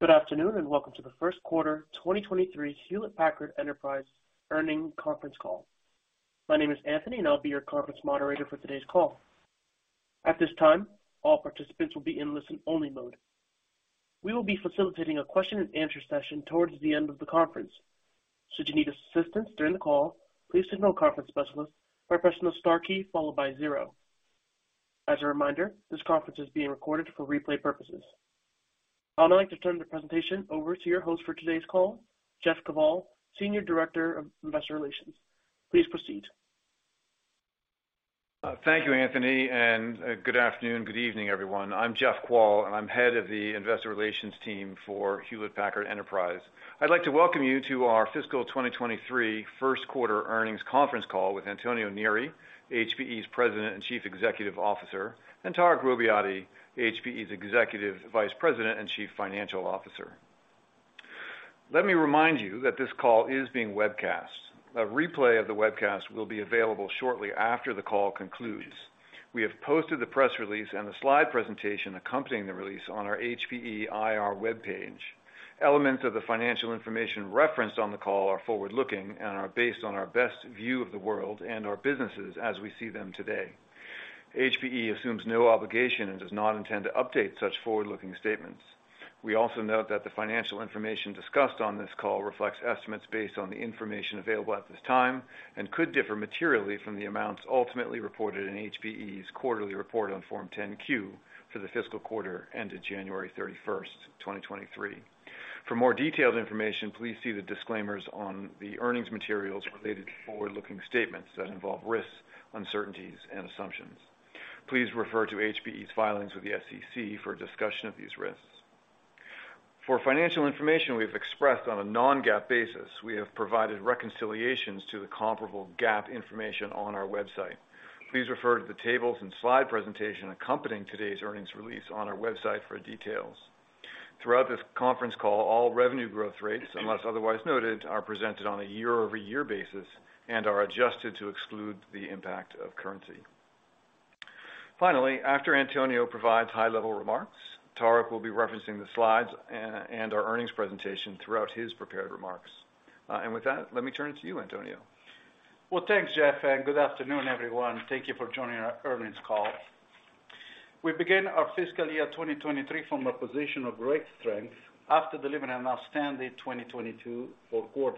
Good afternoon, welcome to the Q1 2023 Hewlett Packard Enterprise Earnings Conference Call. My name is Anthony, I'll be your conference moderator for today's call. At this time, all participants will be in listen-only mode. We will be facilitating a question and answer session towards the end of the conference. Should you need assistance during the call, please signal a conference specialist by pressing the star key followed by zero. As a reminder, this conference is being recorded for replay purposes. I'd like to turn the presentation over to your host for today's call, Jeff Kvaal, Senior Director of Investor Relations. Please proceed. Thank you, Anthony, good afternoon, good evening, everyone. I'm Jeff Kvaal, I'm Head of the Investor Relations Team for Hewlett Packard Enterprise. I'd like to welcome you to our fiscal 2023 Q1 earnings conference call with Antonio Neri, HPE's President and Chief Executive Officer, Tarek Robbiati, HPE's Executive Vice President and Chief Financial Officer. Let me remind you that this call is being webcast. A replay of the webcast will be available shortly after the call concludes. We have posted the press release and the slide presentation accompanying the release on our HPE IR webpage. Elements of the financial information referenced on the call are forward-looking are based on our best view of the world and our businesses as we see them today. HPE assumes no obligation does not intend to update such forward-looking statements. We also note that the financial information discussed on this call reflects estimates based on the information available at this time and could differ materially from the amounts ultimately reported in HPE's quarterly report on Form 10-Q for the fiscal quarter ended January 31st, 2023. For more detailed information, please see the disclaimers on the earnings materials related to forward-looking statements that involve risks, uncertainties, and assumptions. Please refer to HPE's filings with the SEC for a discussion of these risks. For financial information we've expressed on a non-GAAP basis, we have provided reconciliations to the comparable GAAP information on our website. Please refer to the tables and slide presentation accompanying today's earnings release on our website for details. Throughout this conference call, all revenue growth rates, unless otherwise noted, are presented on a year-over-year basis and are adjusted to exclude the impact of currency. Finally, after Antonio provides high-level remarks, Tarek will be referencing the slides and our earnings presentation throughout his prepared remarks. With that, let me turn it to you, Antonio. Well, thanks, Jeff, good afternoon, everyone. Thank you for joining our earnings call. We begin our fiscal year 2023 from a position of great strength after delivering an outstanding 2022 Q4.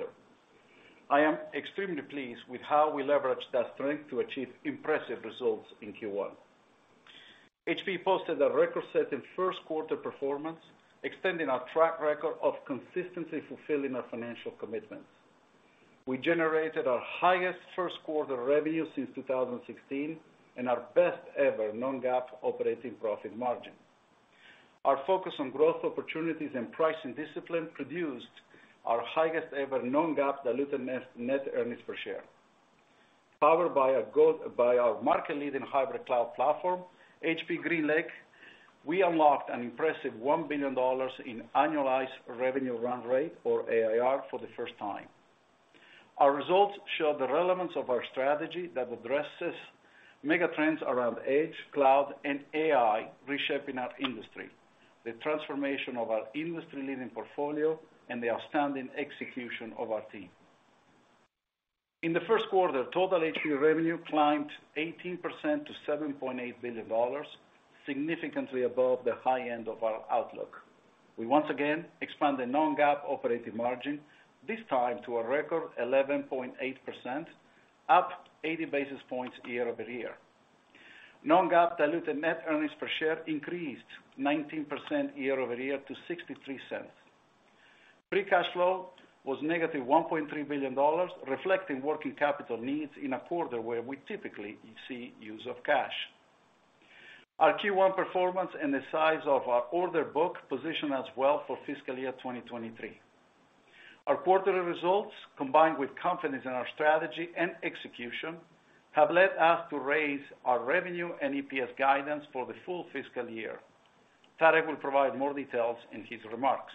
I am extremely pleased with how we leveraged that strength to achieve impressive results in Q1. HPE posted a record-setting Q1 performance, extending our track record of consistently fulfilling our financial commitments. We generated our highest Q1 revenue since 2016 and our best ever non-GAAP operating profit margin. Our focus on growth opportunities and pricing discipline produced our highest ever non-GAAP diluted net earnings per share. Powered by our market-leading hybrid cloud platform, HPE GreenLake, we unlocked an impressive $1 billion in annualized revenue run rate, or AIR, for the first time. Our results show the relevance of our strategy that addresses mega trends around edge, cloud, and AI reshaping our industry, the transformation of our industry-leading portfolio, and the outstanding execution of our team. In the Q1, total HPE revenue climbed 18% to $7.8 billion, significantly above the high end of our outlook. We once again expanded non-GAAP operating margin, this time to a record 11.8%, up 80 basis points year-over-year. Non-GAAP diluted net earnings per share increased 19% year-over-year to $0.63. Free cash flow was negative $1.3 billion, reflecting working capital needs in a quarter where we typically see use of cash. Our Q1 performance and the size of our order book position as well for fiscal year 2023. Our quarterly results, combined with confidence in our strategy and execution, have led us to raise our revenue and EPS guidance for the full fiscal year. Tarek will provide more details in his remarks.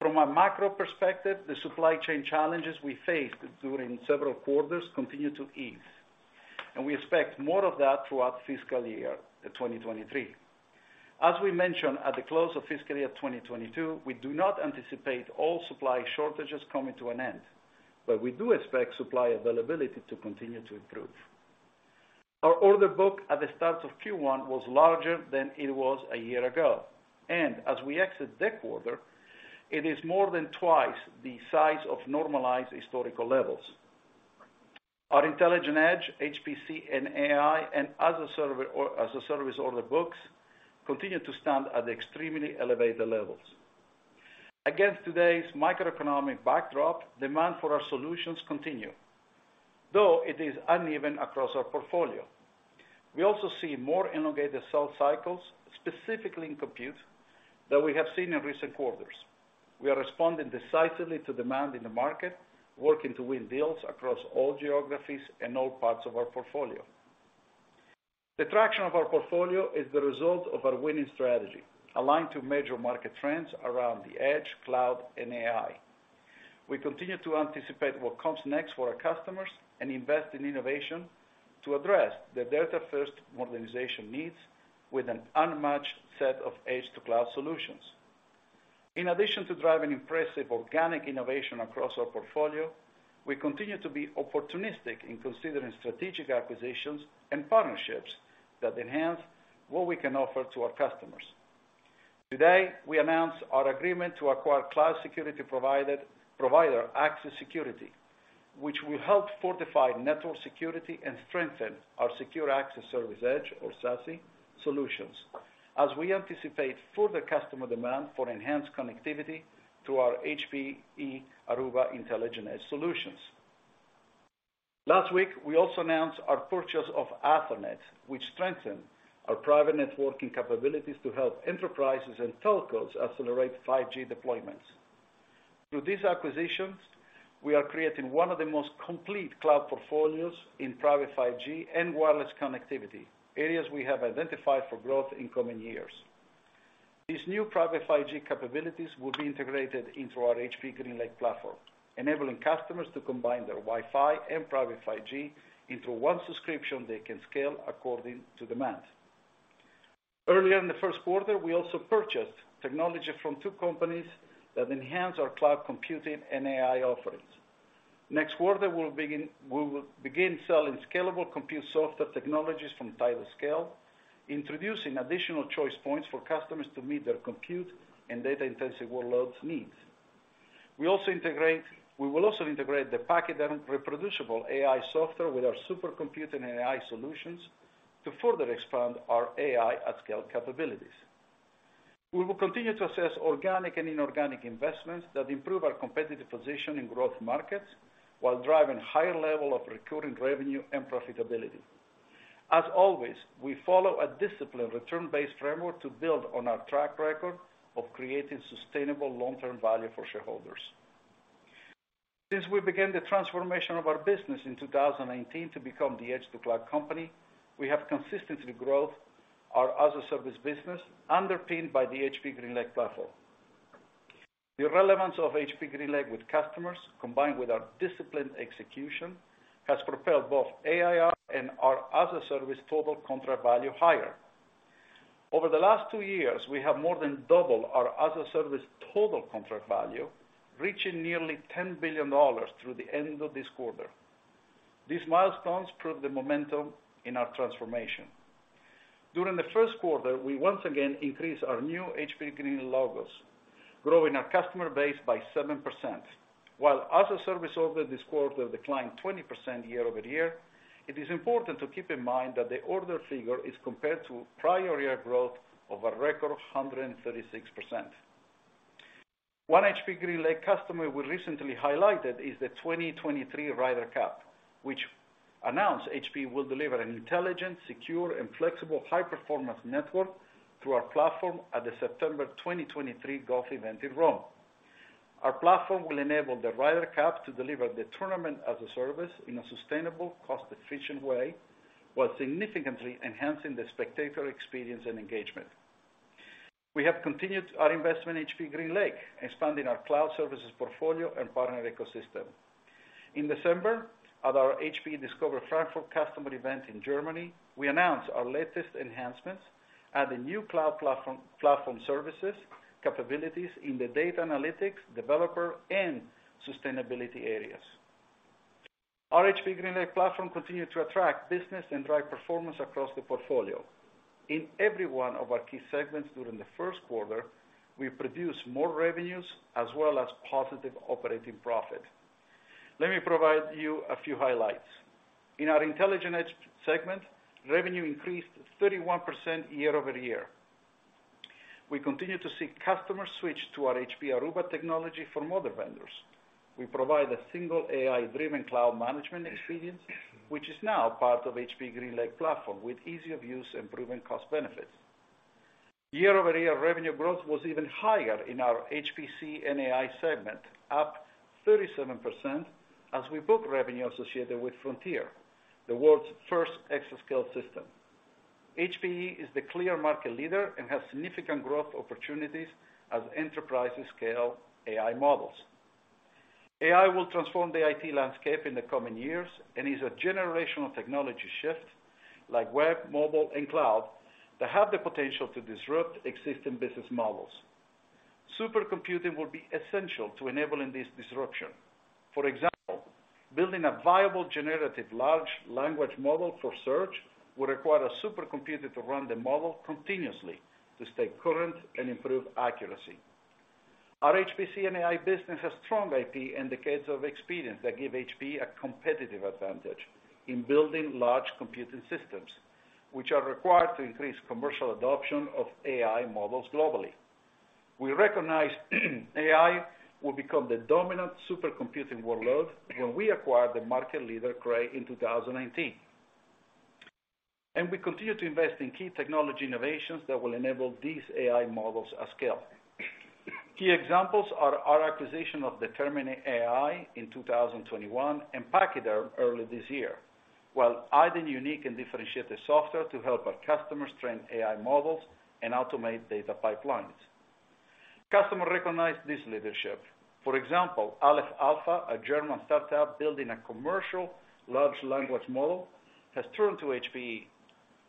From a macro perspective, the supply chain challenges we faced during several quarters continue to ease, and we expect more of that throughout fiscal year 2023. As we mentioned at the close of fiscal year 2022, we do not anticipate all supply shortages coming to an end, but we do expect supply availability to continue to improve. Our order book at the start of Q1 was larger than it was a year ago, and as we exit that quarter, it is more than twice the size of normalized historical levels. Our Intelligent Edge, HPC and AI, and as-a-service order books continue to stand at extremely elevated levels. Against today's macroeconomic backdrop, demand for our solutions continue, though it is uneven across our portfolio. We also see more elongated sales cycles, specifically in compute, than we have seen in recent quarters. We are responding decisively to demand in the market, working to win deals across all geographies and all parts of our portfolio. The traction of our portfolio is the result of our winning strategy, aligned to major market trends around the edge, cloud, and AI. We continue to anticipate what comes next for our customers and invest in innovation to address their data-first modernization needs with an unmatched set of edge-to-cloud solutions. In addition to driving impressive organic innovation across our portfolio, we continue to be opportunistic in considering strategic acquisitions and partnerships that enhance what we can offer to our customers. Today, we announce our agreement to acquire cloud security provider Axis Security, which will help fortify network security and strengthen our secure access service edge, or SASE, solutions, as we anticipate further customer demand for enhanced connectivity to our HPE Aruba Intelligent Edge solutions. Last week, we also announced our purchase of Athonet, which strengthened our private networking capabilities to help enterprises and telcos accelerate 5G deployments. Through these acquisitions, we are creating one of the most complete cloud portfolios in private 5G and wireless connectivity, areas we have identified for growth in coming years. These new private 5G capabilities will be integrated into our HPE GreenLake platform, enabling customers to combine their Wi-Fi and private 5G into one subscription they can scale according to demand. Earlier in the Q1, we also purchased technology from two companies that enhance our cloud computing and AI offerings. Next quarter, we will begin selling scalable compute software technologies from TidalScale, introducing additional choice points for customers to meet their compute and data intensive workloads needs. We will also integrate the Pachyderm reproducible AI software with our supercomputing and AI solutions to further expand our AI at scale capabilities. We will continue to assess organic and inorganic investments that improve our competitive position in growth markets while driving higher level of recurring revenue and profitability. As always, we follow a disciplined return-based framework to build on our track record of creating sustainable long-term value for shareholders. Since we began the transformation of our business in 2018 to become the edge-to-cloud company, we have consistently grown our as-a-service business, underpinned by the HPE GreenLake platform. The relevance of HPE GreenLake with customers, combined with our disciplined execution, has propelled both ARR and our as-a-service total contract value higher. Over the last two years, we have more than doubled our as-a-service total contract value, reaching nearly $10 billion through the end of this quarter. These milestones prove the momentum in our transformation. During the Q1, we once again increased our new HPE GreenLake logos, growing our customer base by 7%. While as-a-service orders this quarter declined 20% year-over-year, it is important to keep in mind that the order figure is compared to prior year growth of a record 136%. One HPE GreenLake customer we recently highlighted is the 2023 Ryder Cup, which announced HPE will deliver an intelligent, secure, and flexible high-performance network through our platform at the September 2023 golf event in Rome. Our platform will enable the Ryder Cup to deliver the tournament as a service in a sustainable, cost-efficient way, while significantly enhancing the spectator experience and engagement. We have continued our investment in HPE GreenLake, expanding our cloud services portfolio and partner ecosystem. In December, at our HPE Discover Frankfurt customer event in Germany, we announced our latest enhancements, adding new cloud platform services, capabilities in the data analytics, developer, and sustainability areas. Our HPE GreenLake platform continued to attract business and drive performance across the portfolio. In every one of our key segments during the Q1, we produced more revenues as well as positive operating profit. Let me provide you a few highlights. In our Intelligent Edge segment, revenue increased 31% year-over-year. We continue to see customers switch to our HPE Aruba technology from other vendors. We provide a single AI-driven cloud management experience, which is now part of HPE GreenLake platform, with ease of use and proven cost benefits. Year-over-year revenue growth was even higher in our HPC and AI segment, up 37%, as we book revenue associated with Frontier, the world's first exascale system. HPE is the clear market leader and has significant growth opportunities as enterprises scale AI models. AI will transform the IT landscape in the coming years and is a generational technology shift, like web, mobile, and cloud, that have the potential to disrupt existing business models. Supercomputing will be essential to enabling this disruption. For example, building a viable generative large language model for search would require a supercomputer to run the model continuously to stay current and improve accuracy. Our HPC and AI business has strong IP and decades of experience that give HPE a competitive advantage in building large computing systems, which are required to increase commercial adoption of AI models globally. We recognize AI will become the dominant supercomputing workload when we acquired the market leader Cray in 2018. We continue to invest in key technology innovations that will enable these AI models at scale. Key examples are our acquisition of Determined AI in 2021 and Pachyderm early this year. Well, adding unique and differentiated software to help our customers train AI models and automate data pipelines. Customers recognize this leadership. For example, Aleph Alpha, a German startup building a commercial large language model, has turned to HPE.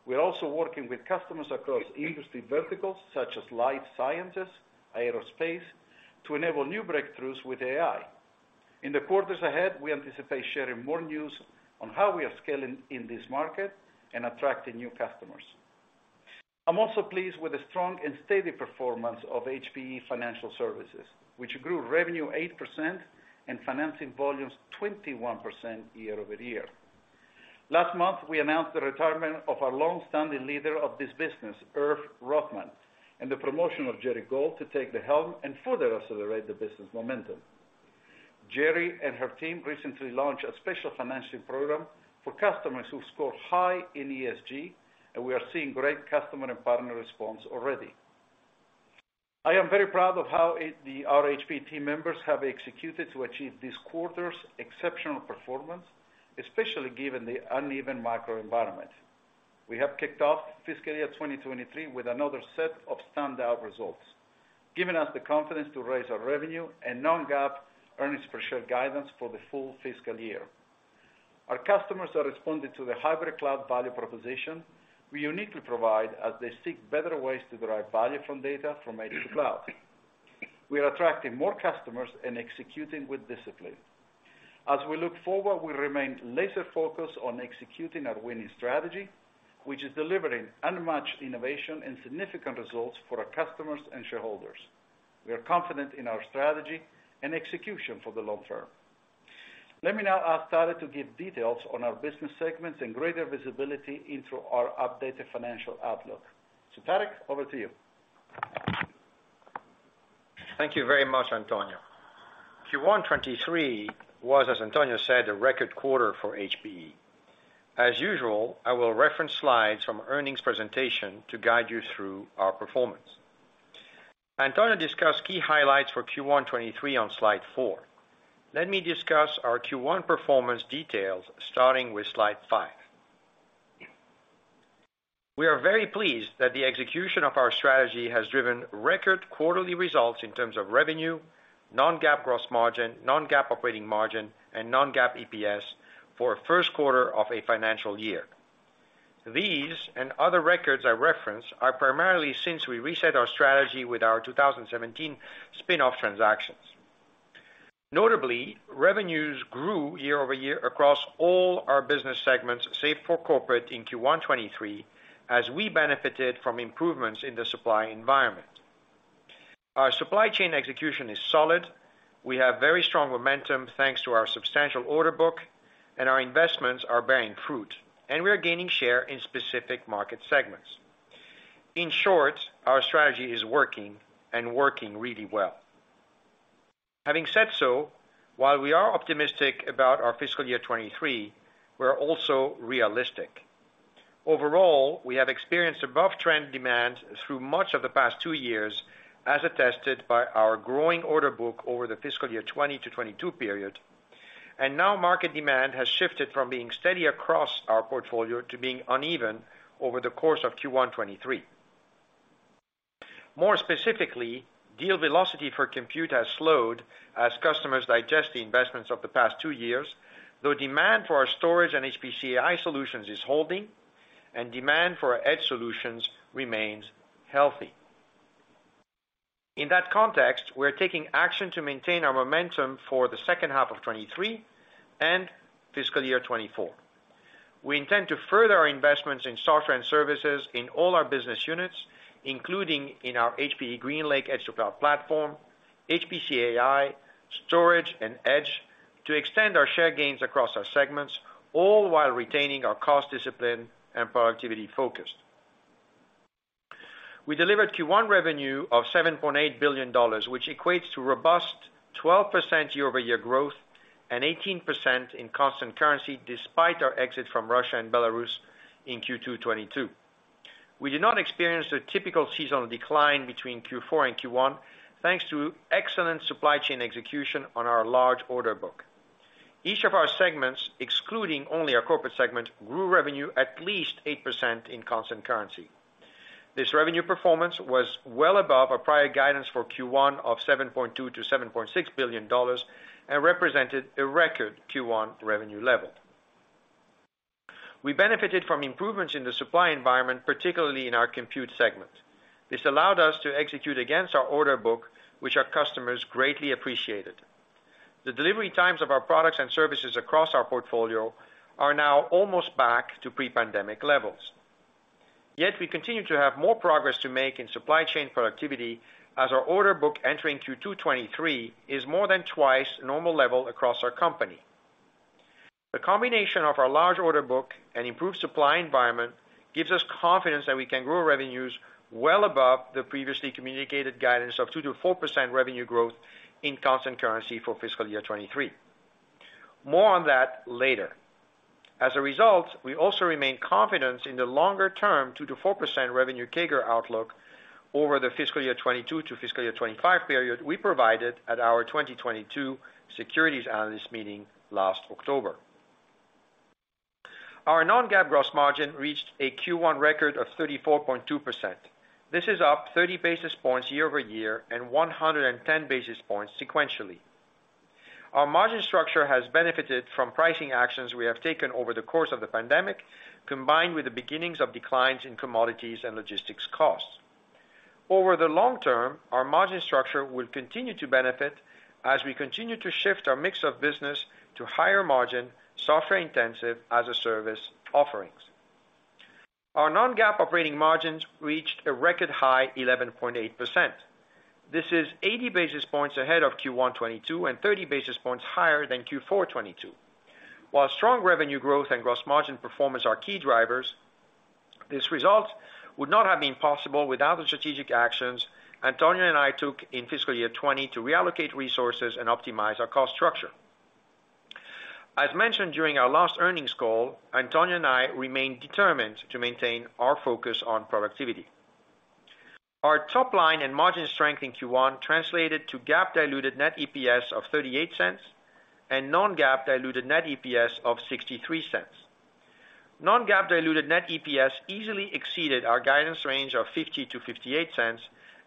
We're also working with customers across industry verticals such as life sciences, aerospace, to enable new breakthroughs with AI. In the quarters ahead, we anticipate sharing more news on how we are scaling in this market and attracting new customers. I'm also pleased with the strong and steady performance of HPE Financial Services, which grew revenue 8% and financing volumes 21% year-over-year. Last month, we announced the retirement of our long-standing leader of this business, Irv Rothman, and the promotion of Gerri Gold to take the helm and further accelerate the business momentum. Gerri and her team recently launched a special financing program for customers who score high in ESG, and we are seeing great customer and partner response already. I am very proud of how our HPE team members have executed to achieve this quarter's exceptional performance, especially given the uneven macro environment. We have kicked off fiscal year 2023 with another set of standout results, giving us the confidence to raise our revenue and non-GAAP earnings per share guidance for the full fiscal year. Our customers are responding to the hybrid cloud value proposition we uniquely provide as they seek better ways to derive value from data from edge to cloud. We are attracting more customers and executing with discipline. As we look forward, we remain laser-focused on executing our winning strategy, which is delivering unmatched innovation and significant results for our customers and shareholders. We are confident in our strategy and execution for the long term. Let me now ask Tarek to give details on our business segments and greater visibility into our updated financial outlook. Tarek, over to you. Thank you very much, Antonio. Q1 '23 was, as Antonio said, a record quarter for HPE. As usual, I will reference slides from earnings presentation to guide you through our performance. Antonio discussed key highlights for Q1 '23 on slide four. Let me discuss our Q1 performance details starting with slide five. We are very pleased that the execution of our strategy has driven record quarterly results in terms of revenue, non-GAAP gross margin, non-GAAP operating margin, and non-GAAP EPS for a Q1 of a financial year. These and other records I reference are primarily since we reset our strategy with our two thousand and seventeen spin-off transactions. Notably, revenues grew year-over-year across all our business segments, save for corporate in Q1 '23, as we benefited from improvements in the supply environment. Our supply chain execution is solid. We have very strong momentum thanks to our substantial order book, and our investments are bearing fruit, and we are gaining share in specific market segments. In short, our strategy is working and working really well. Having said so, while we are optimistic about our fiscal year 2023, we're also realistic. Overall, we have experienced above trend demand through much of the past two years, as attested by our growing order book over the fiscal year 2020-2022 period. Now market demand has shifted from being steady across our portfolio to being uneven over the course of Q1 2023. More specifically, deal velocity for compute has slowed as customers digest the investments of the past two years, though demand for our storage and HPC AI solutions is holding, and demand for our Edge solutions remains healthy. In that context, we're taking action to maintain our momentum for the second half of 2023 and fiscal year 2024. We intend to further our investments in software and services in all our business units, including in our HPE GreenLake Edge to Cloud platform, HPC AI, Storage, and Edge, to extend our share gains across our segments, all while retaining our cost discipline and productivity focus. We delivered Q1 revenue of $7.8 billion, which equates to robust 12% year-over-year growth and 18% in constant currency despite our exit from Russia and Belarus in Q2 2022. We did not experience the typical seasonal decline between Q4 and Q1, thanks to excellent supply chain execution on our large order book. Each of our segments, excluding only our corporate segment, grew revenue at least 8% in constant currency. This revenue performance was well above our prior guidance for Q1 of $7.2 billion-$7.6 billion, and represented a record Q1 revenue level. We benefited from improvements in the supply environment, particularly in our compute segment. This allowed us to execute against our order book, which our customers greatly appreciated. The delivery times of our products and services across our portfolio are now almost back to pre-pandemic levels. Yet we continue to have more progress to make in supply chain productivity as our order book entering Q2 2023 is more than 2x normal level across our company. The combination of our large order book and improved supply environment gives us confidence that we can grow revenues well above the previously communicated guidance of 2%-4% revenue growth in constant currency for fiscal year 2023. More on that later. As a result, we also remain confident in the longer term 2%-4% revenue CAGR outlook over the fiscal year 2022 to fiscal year 2025 period we provided at our 2022 securities analyst meeting last October. Our non-GAAP gross margin reached a Q1 record of 34.2%. This is up 30 basis points year-over-year and 110 basis points sequentially. Our margin structure has benefited from pricing actions we have taken over the course of the pandemic, combined with the beginnings of declines in commodities and logistics costs. Over the long term, our margin structure will continue to benefit as we continue to shift our mix of business to higher margin, software intensive as-a-service offerings. Our non-GAAP operating margins reached a record high 11.8%. This is 80 basis points ahead of Q1 2022 and 30 basis points higher than Q4 2022. While strong revenue growth and gross margin performance are key drivers, this result would not have been possible without the strategic actions Antonio and I took in fiscal year 2020 to reallocate resources and optimize our cost structure. As mentioned during our last earnings call, Antonio and I remain determined to maintain our focus on productivity. Our top line and margin strength in Q1 translated to GAAP diluted net EPS of $0.38 and non-GAAP diluted net EPS of $0.63. Non-GAAP diluted net EPS easily exceeded our guidance range of $0.50-$0.58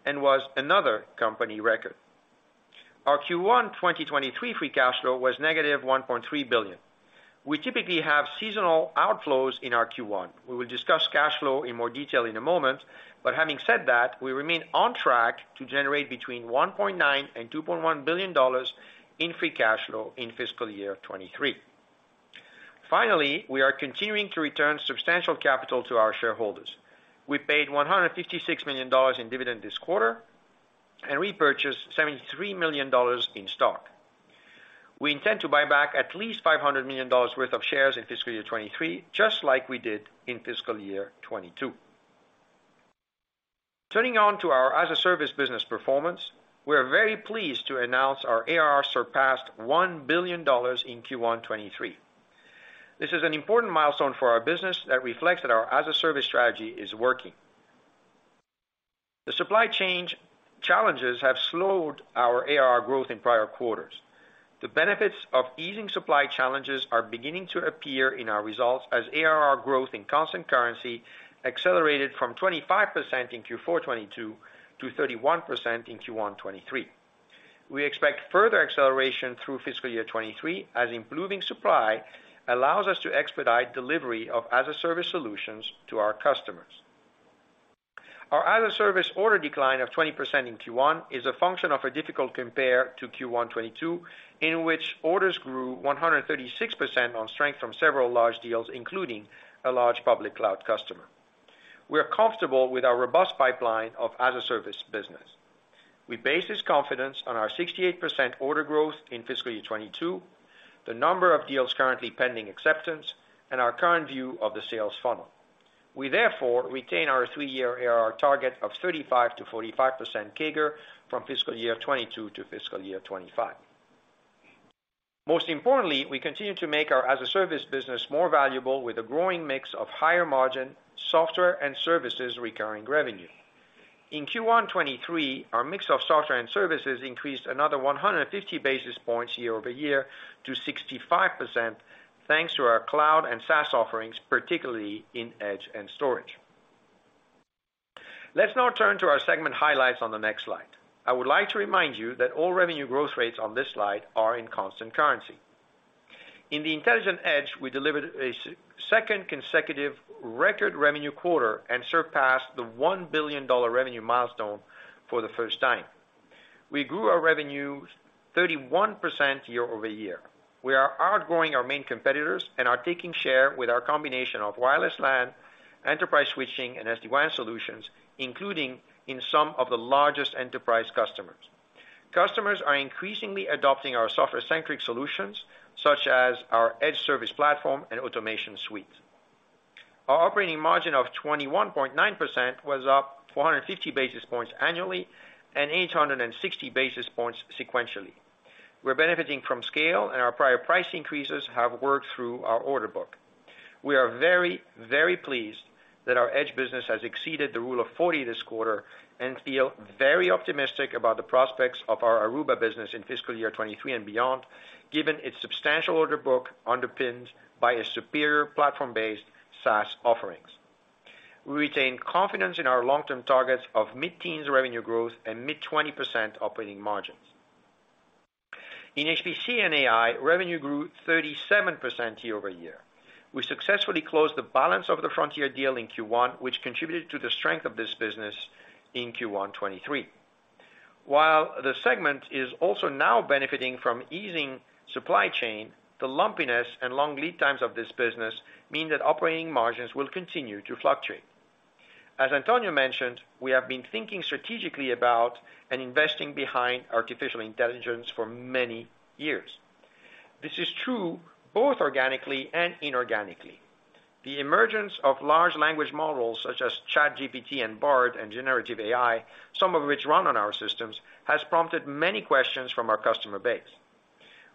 and was another company record. Our Q1-2023 free cash flow was negative $1.3 billion. We typically have seasonal outflows in our Q1. We will discuss cash flow in more detail in a moment. Having said that, we remain on track to generate between $1.9 billion and $2.1 billion in free cash flow in fiscal year 2023. Finally, we are continuing to return substantial capital to our shareholders. We paid $156 million in dividend this quarter and repurchased $73 million in stock. We intend to buy back at least $500 million worth of shares in fiscal year 2023, just like we did in fiscal year 2022. Turning on to our as-a-service business performance, we are very pleased to announce our ARR surpassed $1 billion in Q1 2023. This is an important milestone for our business that reflects that our as-a-service strategy is working. The supply chain challenges have slowed our ARR growth in prior quarters. The benefits of easing supply challenges are beginning to appear in our results as ARR growth in constant currency accelerated from 25% in Q4 2022 to 31% in Q1 2023. We expect further acceleration through fiscal year 2023, as improving supply allows us to expedite delivery of as-a-service solutions to our customers. Our as-a-service order decline of 20% in Q1 is a function of a difficult compare to Q1 2022, in which orders grew 136% on strength from several large deals, including a large public cloud customer. We are comfortable with our robust pipeline of as-a-service business. We base this confidence on our 68% order growth in fiscal year 2022, the number of deals currently pending acceptance, and our current view of the sales funnel. We therefore retain our three-year ARR target of 35%-45% CAGR from fiscal year 2022 to fiscal year 2025. Most importantly, we continue to make our as-a-service business more valuable with a growing mix of higher margin software and services recurring revenue. In Q1 '23, our mix of software and services increased another 150 basis points year-over-year to 65%, thanks to our cloud and SaaS offerings, particularly in Edge and storage. Let's now turn to our segment highlights on the next slide. I would like to remind you that all revenue growth rates on this slide are in constant currency. In the Intelligent Edge, we delivered a second consecutive record revenue quarter and surpassed the $1 billion revenue milestone for the first time. We grew our revenue 31% year-over-year. We are outgrowing our main competitors and are taking share with our combination of wireless LAN, enterprise switching, and SD-WAN solutions, including in some of the largest enterprise customers. Customers are increasingly adopting our software-centric solutions, such as our Edge Services Platform and Automation Suite. Our operating margin of 21.9% was up 450 basis points annually and 860 basis points sequentially. We're benefiting from scale, and our prior price increases have worked through our order book. We are very, very pleased that our Edge business has exceeded the rule of 40 this quarter and feel very optimistic about the prospects of our Aruba business in fiscal year 2023 and beyond, given its substantial order book underpinned by a superior platform-based SaaS offerings. We retain confidence in our long-term targets of mid-teens revenue growth and mid-20% operating margins. In HPC and AI, revenue grew 37% year-over-year. We successfully closed the balance of the Frontier deal in Q1, which contributed to the strength of this business in Q1 2023. While the segment is also now benefiting from easing supply chain, the lumpiness and long lead times of this business mean that operating margins will continue to fluctuate. As Antonio mentioned, we have been thinking strategically about and investing behind artificial intelligence for many years. This is true both organically and inorganically. The emergence of large language models such as ChatGPT and Bard and generative AI, some of which run on our systems, has prompted many questions from our customer base.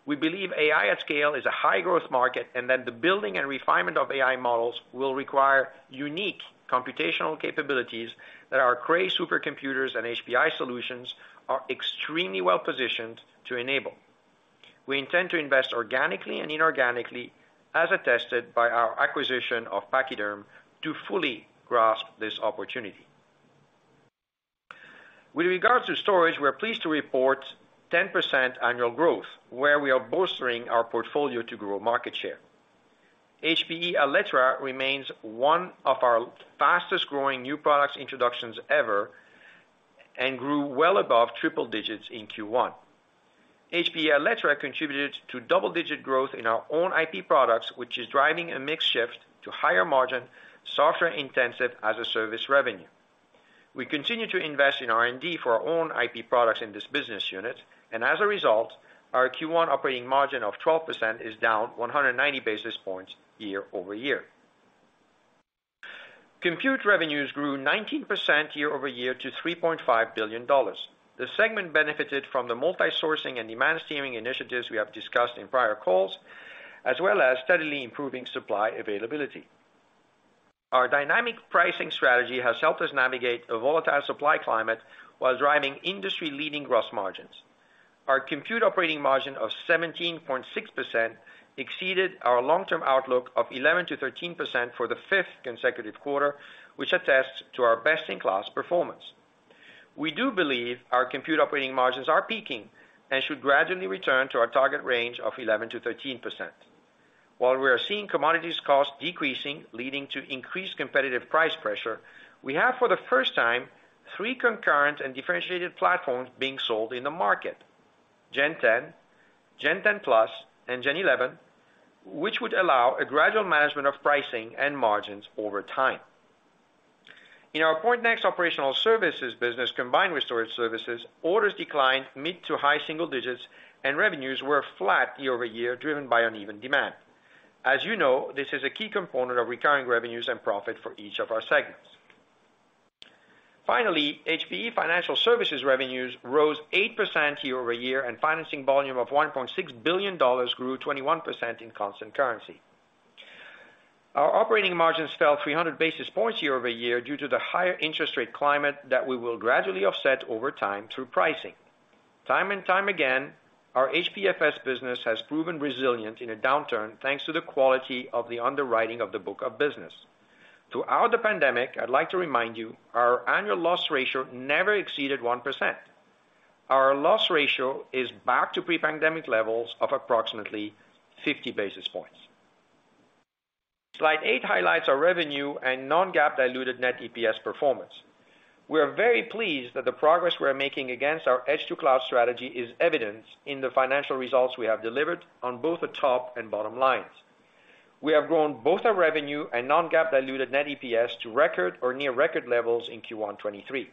We believe AI at scale is a high-growth market, and that the building and refinement of AI models will require unique computational capabilities that our Cray supercomputers and HBI solutions are extremely well-positioned to enable. We intend to invest organically and inorganically, as attested by our acquisition of Pachyderm to fully grasp this opportunity. With regards to storage, we are pleased to report 10% annual growth where we are bolstering our portfolio to grow market share. HPE Alletra remains one of our fastest-growing new products introductions ever and grew well above triple digits in Q1. HPE Alletra contributed to double-digit growth in our own IP products, which is driving a mix shift to higher margin, software intensive as-a-service revenue. We continue to invest in R&D for our own IP products in this business unit, and as a result, our Q1 operating margin of 12% is down 190 basis points year-over-year. Compute revenues grew 19% year-over-year to $3.5 billion. The segment benefited from the multi-sourcing and demand steaming initiatives we have discussed in prior calls, as well as steadily improving supply availability. Our dynamic pricing strategy has helped us navigate a volatile supply climate while driving industry-leading gross margins. Our compute operating margin of 17.6% exceeded our long-term outlook of 11%-13% for the fifth consecutive quarter, which attests to our best-in-class performance. We do believe our compute operating margins are peaking and should gradually return to our target range of 11%-13%. While we are seeing commodities costs decreasing, leading to increased competitive price pressure, we have for the first time three concurrent and differentiated platforms being sold in the market, Gen10 Plus, and Gen11, which would allow a gradual management of pricing and margins over time. In our Pointnext Operational Services business combined with storage services, orders declined mid to high single digits and revenues were flat year-over-year driven by uneven demand. As you know, this is a key component of recurring revenues and profit for each of our segments. HPE Financial Services revenues rose 8% year-over-year and financing volume of $1.6 billion grew 21% in constant currency. Our operating margins fell 300 basis points year-over-year due to the higher interest rate climate that we will gradually offset over time through pricing. Time and time again, our HPFS business has proven resilient in a downturn, thanks to the quality of the underwriting of the book of business. Throughout the pandemic, I'd like to remind you, our annual loss ratio never exceeded 1%. Our loss ratio is back to pre-pandemic levels of approximately 50 basis points. Slide 8 highlights our revenue and non-GAAP diluted net EPS performance. We are very pleased that the progress we are making against our edge-to-cloud strategy is evident in the financial results we have delivered on both the top and bottom lines. We have grown both our revenue and non-GAAP diluted net EPS to record or near record levels in Q1 2023.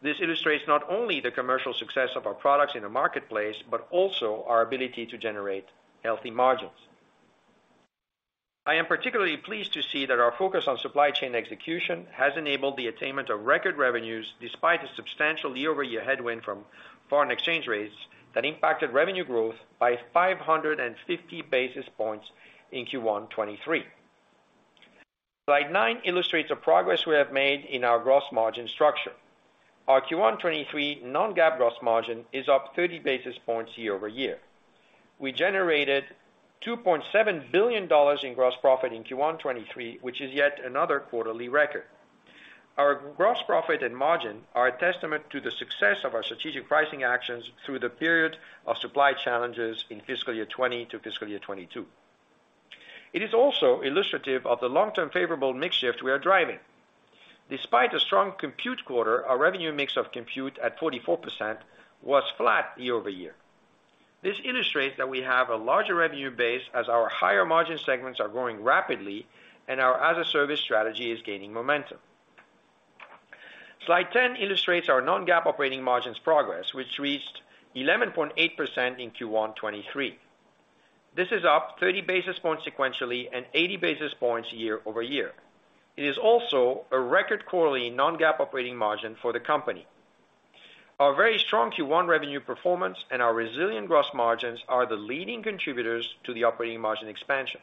This illustrates not only the commercial success of our products in the marketplace, but also our ability to generate healthy margins. I am particularly pleased to see that our focus on supply chain execution has enabled the attainment of record revenues despite a substantial year-over-year headwind from foreign exchange rates that impacted revenue growth by 550 basis points in Q1 2023. Slide 9 illustrates the progress we have made in our gross margin structure. Our Q1 2023 non-GAAP gross margin is up 30 basis points year-over-year. We generated $2.7 billion in gross profit in Q1 2023, which is yet another quarterly record. Our gross profit and margin are a testament to the success of our strategic pricing actions through the period of supply challenges in fiscal year 2020 to fiscal year 2022. It is also illustrative of the long-term favorable mix shift we are driving. Despite a strong compute quarter, our revenue mix of compute at 44% was flat year-over-year. This illustrates that we have a larger revenue base as our higher margin segments are growing rapidly and our as-a-service strategy is gaining momentum. Slide 10 illustrates our non-GAAP operating margins progress, which reached 11.8% in Q1 2023. This is up 30 basis points sequentially and 80 basis points year-over-year. It is also a record quarterly non-GAAP operating margin for the company. Our very strong Q1 revenue performance and our resilient gross margins are the leading contributors to the operating margin expansion.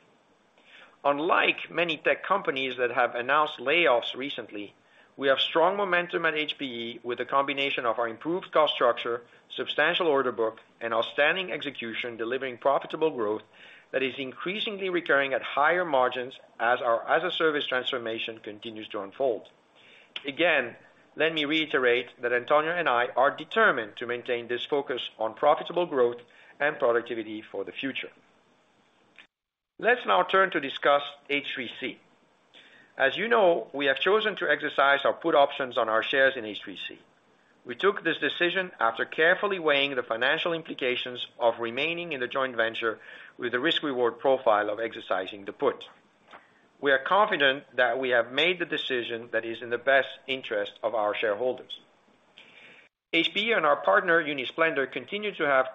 Unlike many tech companies that have announced layoffs recently, we have strong momentum at HPE with a combination of our improved cost structure, substantial order book, and outstanding execution delivering profitable growth that is increasingly recurring at higher margins as our as-a-service transformation continues to unfold. Let me reiterate that Antonio and I are determined to maintain this focus on profitable growth and productivity for the future. Let's now turn to discuss H3C. As you know, we have chosen to exercise our put options on our shares in H3C. We took this decision after carefully weighing the financial implications of remaining in the joint venture with the risk-reward profile of exercising the put. We are confident that we have made the decision that is in the best interest of our shareholders. HPE and our partner, Unisplendour, continue to have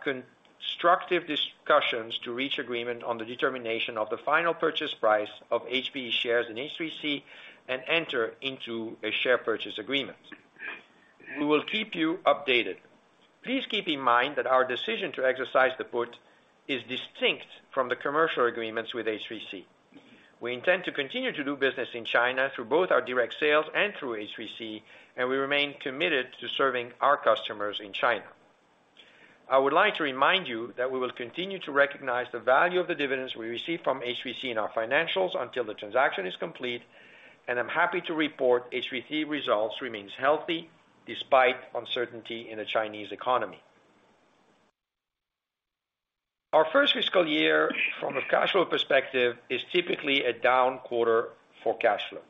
constructive discussions to reach agreement on the determination of the final purchase price of HPE shares in H3C and enter into a share purchase agreement. We will keep you updated. Please keep in mind that our decision to exercise the put is distinct from the commercial agreements with H3C. We intend to continue to do business in China through both our direct sales and through H3C, and we remain committed to serving our customers in China. I would like to remind you that we will continue to recognize the value of the dividends we receive from H3C in our financials until the transaction is complete, and I'm happy to report H3C results remains healthy despite uncertainty in the Chinese economy. Our first fiscal year from a cash flow perspective is typically a down quarter for cash flow.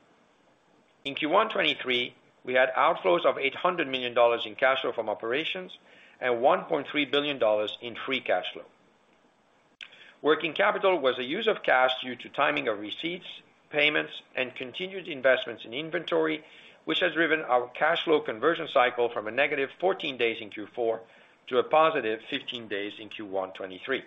In Q1 '23, we had outflows of $800 million in cash flow from operations and $1.3 billion in free cash flow. Working capital was a use of cash due to timing of receipts, payments, and continued investments in inventory, which has driven our cash flow conversion cycle from a negative 14 days in Q4 to a positive 15 days in Q1 '23.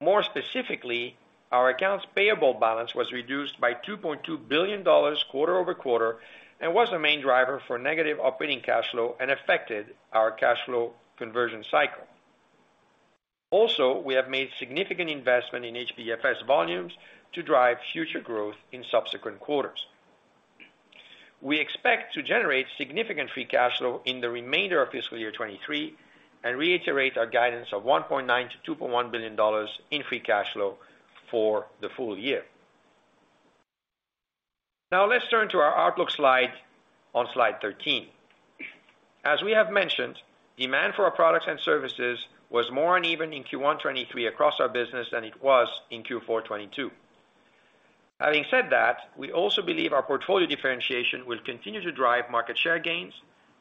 More specifically, our accounts payable balance was reduced by $2.2 billion quarter-over-quarter, and was the main driver for negative operating cash flow and affected our cash flow conversion cycle. We have made significant investment in HPFS volumes to drive future growth in subsequent quarters. We expect to generate significant free cash flow in the remainder of fiscal year 2023 and reiterate our guidance of $1.9 billion-$2.1 billion in free cash flow for the full year. Let's turn to our outlook slide on slide 13. As we have mentioned, demand for our products and services was more uneven in Q1 2023 across our business than it was in Q4 2022. Having said that, we also believe our portfolio differentiation will continue to drive market share gains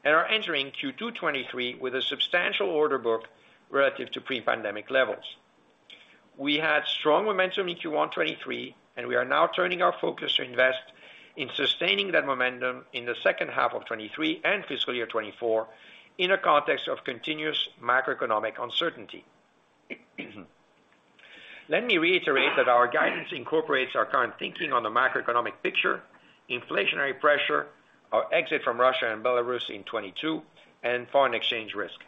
and are entering Q2 2023 with a substantial order book relative to pre-pandemic levels. We had strong momentum in Q1 2023, and we are now turning our focus to invest in sustaining that momentum in the second half of 2023 and fiscal year 2024 in a context of continuous macroeconomic uncertainty. Let me reiterate that our guidance incorporates our current thinking on the macroeconomic picture, inflationary pressure, our exit from Russia and Belarus in 2022, and foreign exchange risk.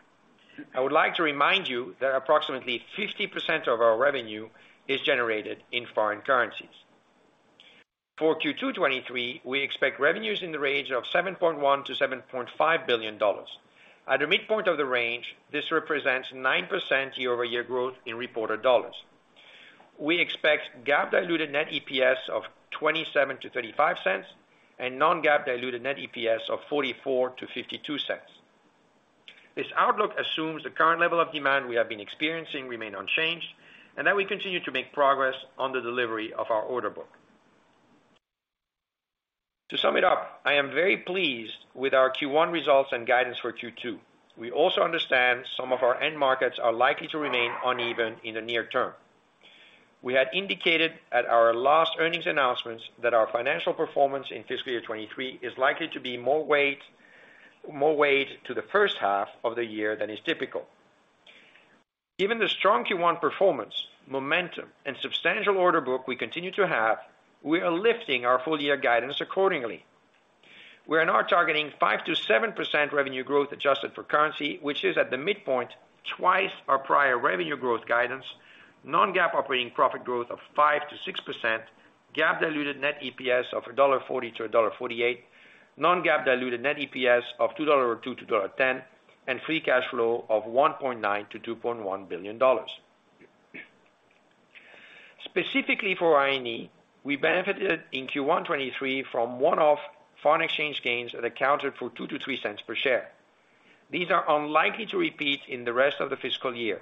I would like to remind you that approximately 50% of our revenue is generated in foreign currencies. For Q2 2023, we expect revenues in the range of $7.1 billion-$7.5 billion. At the midpoint of the range, this represents 9% year-over-year growth in reported dollars. We expect GAAP diluted net EPS of $0.27-$0.35, and non-GAAP diluted net EPS of $0.44-$0.52. This outlook assumes the current level of demand we have been experiencing remain unchanged, and that we continue to make progress on the delivery of our order book. To sum it up, I am very pleased with our Q1 results and guidance for Q2. We also understand some of our end markets are likely to remain uneven in the near term. We had indicated at our last earnings announcements that our financial performance in fiscal year 2023 is likely to be more weight to the first half of the year than is typical. Given the strong Q1 performance, momentum, and substantial order book we continue to have, we are lifting our full year guidance accordingly. We are now targeting 5%-7% revenue growth adjusted for currency, which is at the midpoint twice our prior revenue growth guidance, non-GAAP operating profit growth of 5%-6%, GAAP diluted net EPS of $1.40-$1.48, non-GAAP diluted net EPS of $2.02-$2.10, and free cash flow of $1.9 billion-$2.1 billion. Specifically for INE, we benefited in Q1 2023 from one-off foreign exchange gains that accounted for $0.02-$0.03 per share. These are unlikely to repeat in the rest of the fiscal year.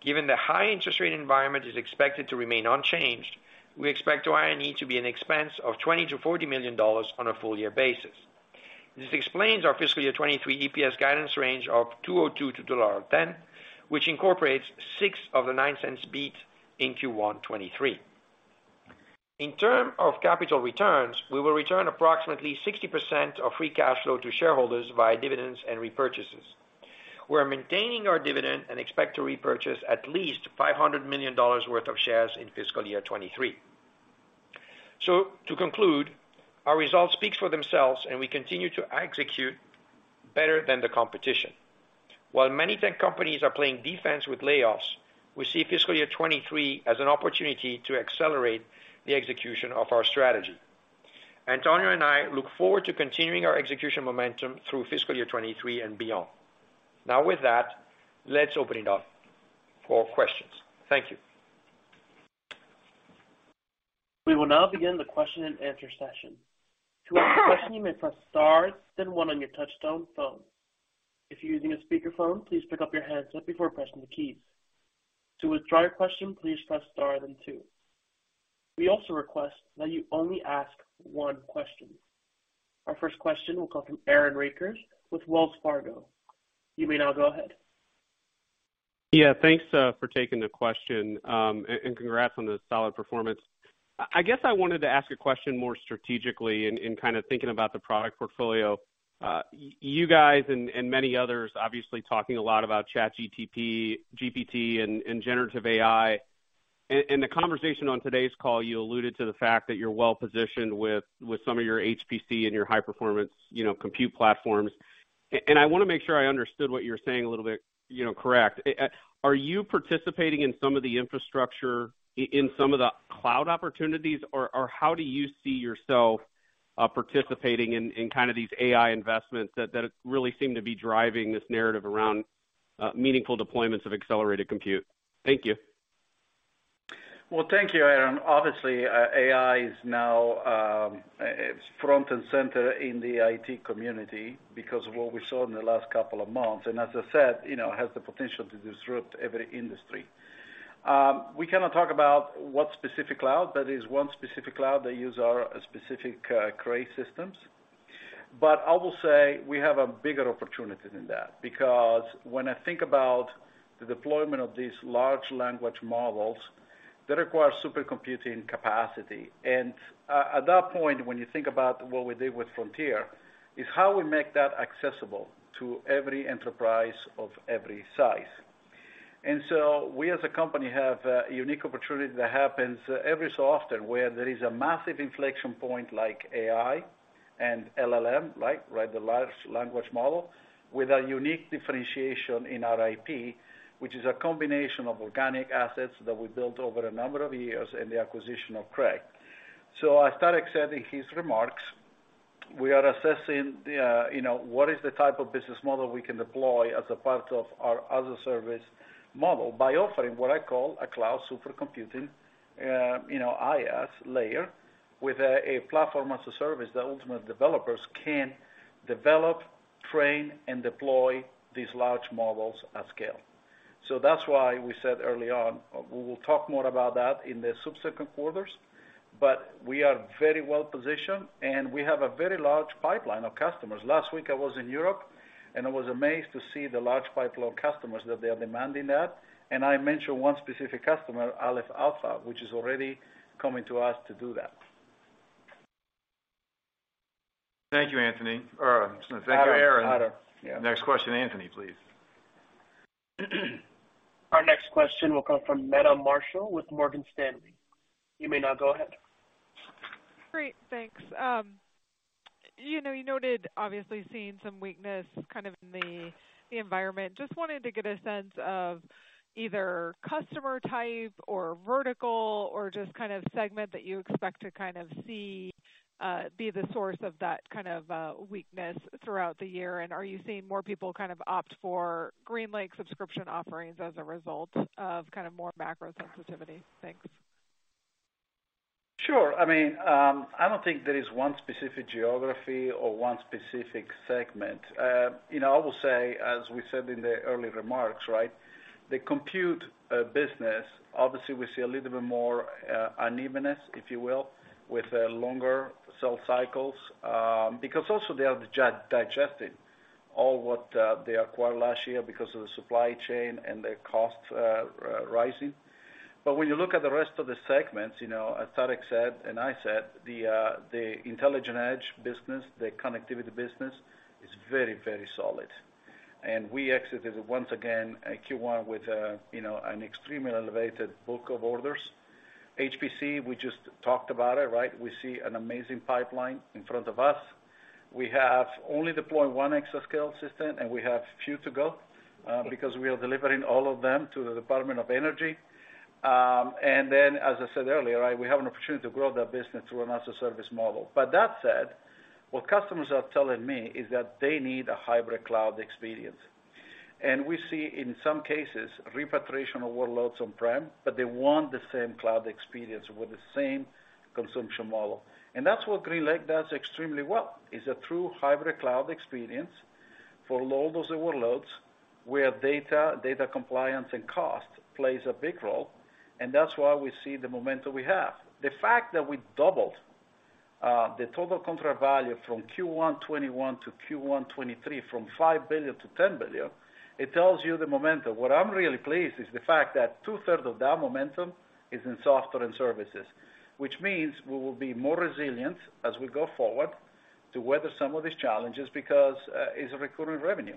Given the high interest rate environment is expected to remain unchanged, we expect our INE to be an expense of $20 million-$40 million on a full year basis. This explains our fiscal year 2023 EPS guidance range of $2.02-$2.10, which incorporates $0.06 of the $0.09 beat in Q1 2023. In terms of capital returns, we will return approximately 60% of free cash flow to shareholders via dividends and repurchases. We are maintaining our dividend and expect to repurchase at least $500 million worth of shares in fiscal year 2023. To conclude, our results speak for themselves, and we continue to execute better than the competition. While many tech companies are playing defense with layoffs, we see fiscal year 2023 as an opportunity to accelerate the execution of our strategy. Antonio and I look forward to continuing our execution momentum through fiscal year 2023 and beyond. With that, let's open it up for questions. Thank you. We will now begin the question and answer session. To ask a question, you may press star then one on your touch-tone phone. If you're using a speakerphone, please pick up your handset before pressing the keys. To withdraw your question, please press star then two. We also request that you only ask one question. Our first question will come from Aaron Rakers with Wells Fargo. You may now go ahead. Yeah. Thanks for taking the question, congrats on the solid performance. I guess I wanted to ask a question more strategically in kind of thinking about the product portfolio. you guys and many others obviously talking a lot about ChatGPT, GPT and generative AI. In the conversation on today's call, you alluded to the fact that you're well positioned with some of your HPC and your high performance, you know, compute platforms. I wanna make sure I understood what you're saying a little bit, you know, correct. Are you participating in some of the infrastructure in some of the cloud opportunities or how do you see yourself participating in kind of these AI investments that really seem to be driving this narrative around meaningful deployments of accelerated compute? Thank you. Well, thank you, Aaron. Obviously, AI is now, it's front and center in the IT community because of what we saw in the last couple of months. As I said, you know, has the potential to disrupt every industry. We cannot talk about what specific cloud, that is one specific cloud they use our specific Cray systems. I will say we have a bigger opportunity than that because when I think about the deployment of these large language models, that requires supercomputing capacity. At that point, when you think about what we did with Frontier, is how we make that accessible to every enterprise of every size. We as a company have a unique opportunity that happens every so often where there is a massive inflection point like AI and LLM, like, right, the large language model, with a unique differentiation in our IP, which is a combination of organic assets that we built over a number of years and the acquisition of Cray. As Tarek said in his remarks, we are assessing the, you know, what is the type of business model we can deploy as a part of our other service model by offering what I call a cloud supercomputing, you know, IS layer with a platform as a service that ultimate developers can develop, train, and deploy these large models at scale. That's why we said early on, we will talk more about that in the subsequent quarters. We are very well positioned, and we have a very large pipeline of customers. Last week I was in Europe. I was amazed to see the large pipeline of customers that they are demanding that. I mentioned one specific customer, Aleph Alpha, which is already coming to us to do that. Thank you, Anthonio. Or, thank you, Aaron. Aaron. Yeah. Next question, Anthony, please. Our next question will come from Meta Marshall with Morgan Stanley. You may now go ahead. Great. Thanks. you know, you noted obviously seeing some weakness kind of in the environment. Just wanted to get a sense of either customer type or vertical or just kind of segment that you expect to kind of see, be the source of that kind of, weakness throughout the year. Are you seeing more people kind of opt for GreenLake subscription offerings as a result of kind of more macro sensitivity? Thanks. Sure. I mean, I don't think there is one specific geography or one specific segment. You know, I will say, as we said in the early remarks, right? The compute business, obviously, we see a little bit more unevenness, if you will, with longer sell cycles, because also they are digesting all what they acquired last year because of the supply chain and the costs rising. When you look at the rest of the segments, you know, as Tarek said and I said, the Intelligent Edge business, the connectivity business is very solid. We exited once again Q1 with a, you know, an extremely elevated book of orders. HPC, we just talked about it, right? We see an amazing pipeline in front of us. We have only deployed one exascale system, and we have few to go, because we are delivering all of them to the Department of Energy. Then as I said earlier, right, we have an opportunity to grow that business through another service model. That said, what customers are telling me is that they need a hybrid cloud experience. We see, in some cases, repatriation of workloads on-prem, but they want the same cloud experience with the same consumption model. That's what GreenLake does extremely well, is a true hybrid cloud experience for loads and workloads where data compliance and cost plays a big role. That's why we see the momentum we have. The fact that we doubled, the total contract value from Q1 2021 to Q1 2023 from $5 billion to $10 billion, it tells you the momentum. What I'm really pleased is the fact that two-third of that momentum is in software and services, which means we will be more resilient as we go forward to weather some of these challenges because it's a recurring revenue.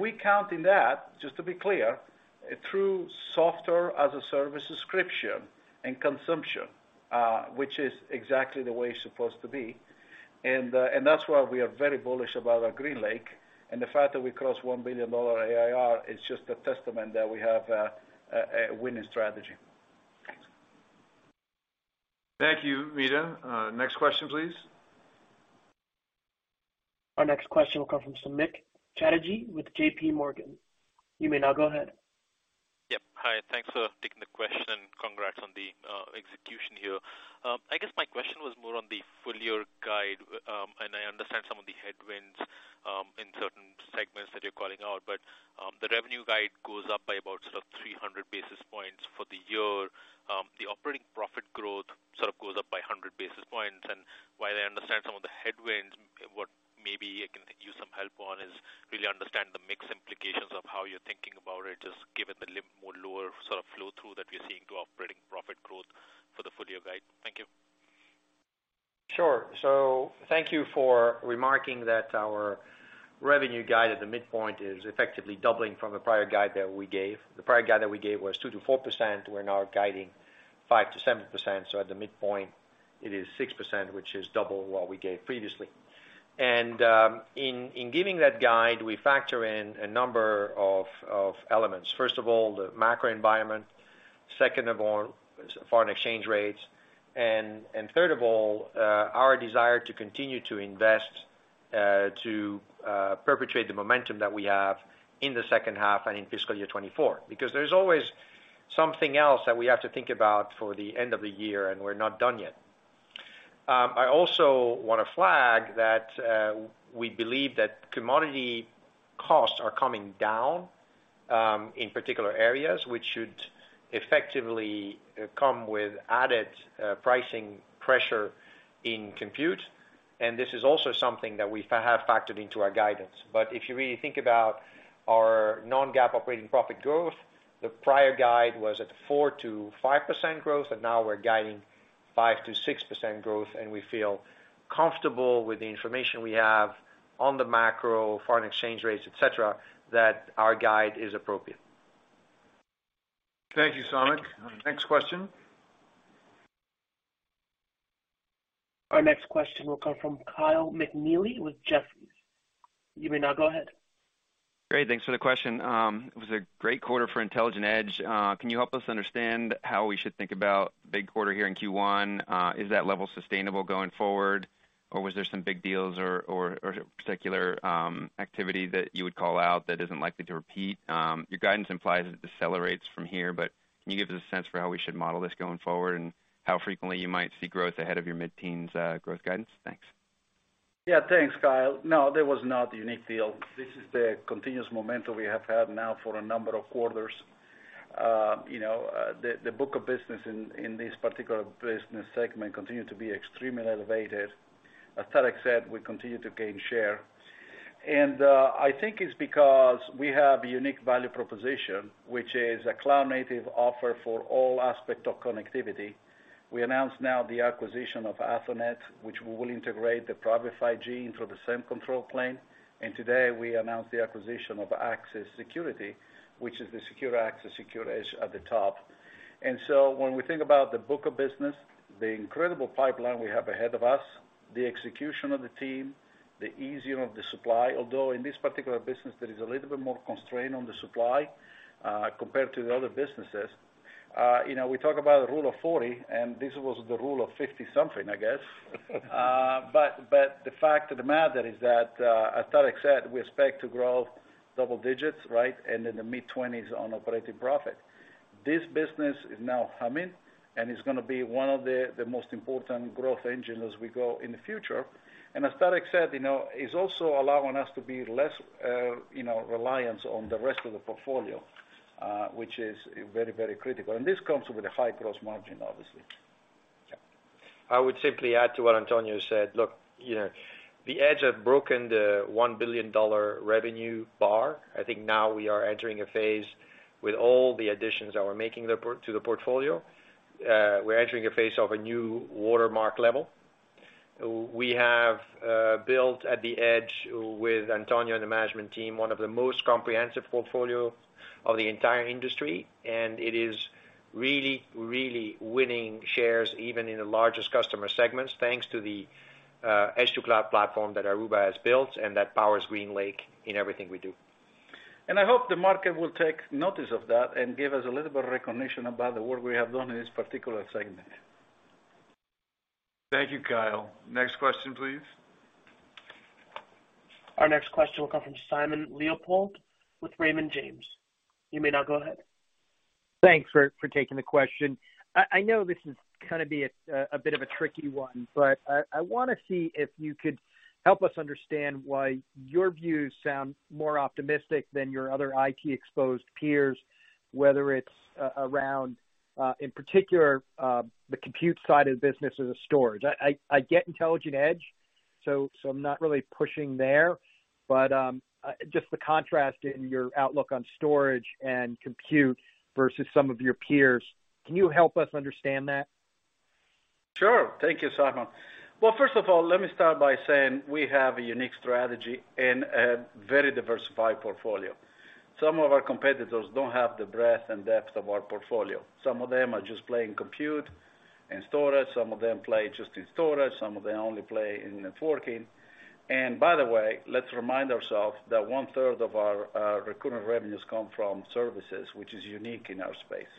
We count in that, just to be clear, through Software as a Service subscription and consumption, which is exactly the way it's supposed to be. That's why we are very bullish about our GreenLake. The fact that we crossed $1 billion ARR is just a testament that we have a winning strategy. Thank you, Meta. Next question, please. Our next question will come from Samik Chatterjee with J.P. Morgan. You may now go ahead. Yep. Hi, thanks for taking the question. Congrats on the execution here. I guess my question was more on the full year guide. I understand some of the headwinds in certain segments that you're calling out, but the revenue guide goes up by about sort of 300 basis points for the year. The operating profit growth sort of goes up by 100 basis points. While I understand some of the headwinds, what maybe I can use some help on is really understand the mix implications of how you're thinking about it, just given the more lower sort of flow through that we're seeing to operating profit growth for the full year guide. Thank you. Sure. Thank you for remarking that our revenue guide at the midpoint is effectively doubling from the prior guide that we gave. The prior guide that we gave was 2%-4%. We're now guiding 5%-7%, so at the midpoint it is 6%, which is double what we gave previously. In giving that guide, we factor in a number of elements. First of all, the macro environment. Second of all, foreign exchange rates. And third of all, our desire to continue to invest to perpetrate the momentum that we have in the second half and in fiscal year 2024. There's always something else that we have to think about for the end of the year, and we're not done yet. I also wanna flag that we believe that commodity costs are coming down in particular areas, which should effectively come with added pricing pressure in compute. This is also something that we have factored into our guidance. If you really think about our non-GAAP operating profit growth, the prior guide was at 4%-5% growth, and now we're guiding 5%-6% growth. We feel comfortable with the information we have on the macro, foreign exchange rates, et cetera, that our guide is appropriate. Thank you, Samik. Next question. Our next question will come from Kyle McNealy with Jefferies. You may now go ahead. Great. Thanks for the question. It was a great quarter for Intelligent Edge. Can you help us understand how we should think about big quarter here in Q1? Is that level sustainable going forward, or was there some big deals or particular activity that you would call out that isn't likely to repeat? Your guidance implies it decelerates from here, but can you give us a sense for how we should model this going forward and how frequently you might see growth ahead of your mid-teens growth guidance? Thanks. Yeah. Thanks, Kyle. No, there was not a unique deal. This is the continuous momentum we have had now for a number of quarters. You know, the book of business in this particular business segment continued to be extremely elevated. As Tarek said, we continue to gain share. I think it's because we have a unique value proposition, which is a cloud native offer for all aspect of connectivity. We announced now the acquisition of Athonet, which we will integrate the Private 5G through the same control plane. Today, we announced the acquisition of Axis Security, which is the secure access, secure edge at the top. When we think about the book of business, the incredible pipeline we have ahead of us, the execution of the team, the ease of the supply, although in this particular business there is a little bit more constraint on the supply, compared to the other businesses. You know, we talk about the rule of 40, and this was the rule of 50 something, I guess. But the fact of the matter is that, as Tarek said, we expect to grow double digits, right? In the mid-twenties on operating profit. This business is now humming and is gonna be one of the most important growth engine as we go in the future. As Tarek said, you know, it's also allowing us to be less, you know, reliance on the rest of the portfolio, which is very, very critical. This comes with a high gross margin, obviously. I would simply add to what Antonio said. Look, you know, the Edge have broken the $1 billion revenue bar. I think now we are entering a phase with all the additions that we're making to the portfolio. We're entering a phase of a new watermark level. We have built at the Edge with Antonio and the management team, one of the most comprehensive portfolio of the entire industry, and it is really, really winning shares even in the largest customer segments, thanks to the Edge to Cloud platform that Aruba has built and that powers GreenLake in everything we do. I hope the market will take notice of that and give us a little bit of recognition about the work we have done in this particular segment. Thank you, Kyle. Next question, please. Our next question will come from Simon Leopold with Raymond James. You may now go ahead. Thanks for taking the question. I know this is gonna be a bit of a tricky one, but I wanna see if you could help us understand why your views sound more optimistic than your other IT exposed peers, whether it's around in particular the compute side of the business or the storage. I get Intelligent Edge, so I'm not really pushing there, but just the contrast in your outlook on storage and compute versus some of your peers. Can you help us understand that? Sure. Thank you, Simon. Well, first of all, let me start by saying we have a unique strategy and a very diversified portfolio. Some of our competitors don't have the breadth and depth of our portfolio. Some of them are just playing compute and storage. Some of them play just in storage. Some of them only play in networking. By the way, let's remind ourselves that one-third of our recurring revenues come from services, which is unique in our space.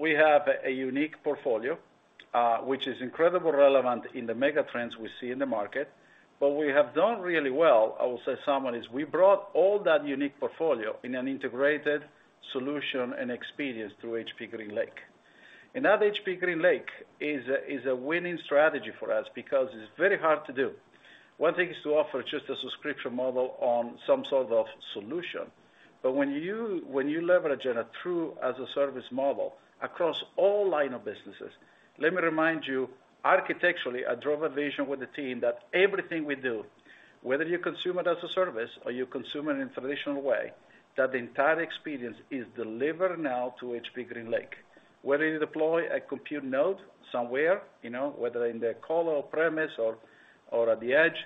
We have a unique portfolio, which is incredibly relevant in the mega trends we see in the market. We have done really well, I will say, Simon, is we brought all that unique portfolio in an integrated solution and experience through HPE GreenLake. That HPE GreenLake is a winning strategy for us because it's very hard to do. One thing is to offer just a subscription model on some sort of solution, but when you leverage in a true as-a-service model across all line of businesses, let me remind you, architecturally, I drove a vision with the team that everything we do Whether you consume it as a service or you consume it in traditional way, that the entire experience is delivered now to HPE GreenLake. Whether you deploy a compute node somewhere, you know, whether in the colo premise or at the edge,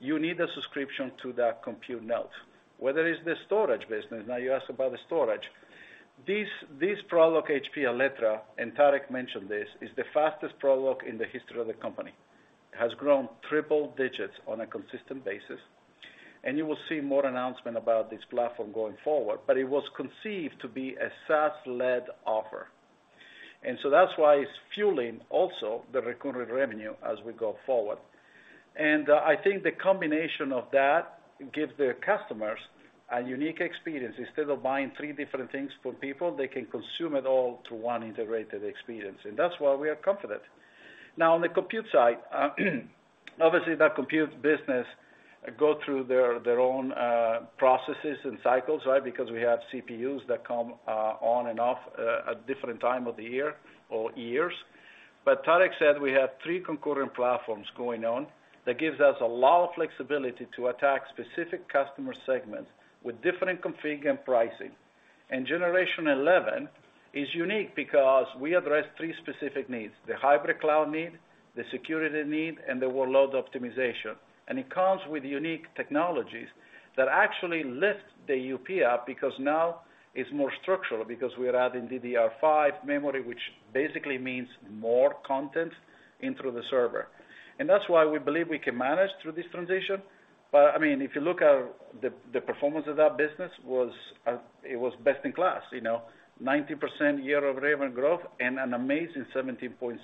you need a subscription to that compute node. Whether it's the storage business, now you ask about the storage. This ProLiant HPE Alletra, and Tarek mentioned this, is the fastest ProLiant in the history of the company. It has grown triple digits on a consistent basis, you will see more announcement about this platform going forward. It was conceived to be a SaaS-led offer. That's why it's fueling also the recurring revenue as we go forward. I think the combination of that gives the customers a unique experience. Instead of buying three different things from people, they can consume it all through one integrated experience. That's why we are confident. Now on the compute side, obviously, the compute business go through their own processes and cycles, right? Because we have CPUs that come on and off at different time of the year or years. Tarek said we have three concurrent platforms going on. That gives us a lot of flexibility to attack specific customer segments with different config and pricing. Generation 11 is unique because we address three specific needs, the hybrid cloud need, the security need, and the workload optimization. It comes with unique technologies that actually lift the AUP up, because now it's more structural. We are adding DDR5 memory, which basically means more content in through the server. That's why we believe we can manage through this transition. I mean, if you look at the performance of that business was, it was best in class, you know. 90% year-over-year revenue growth and an amazing 17.6%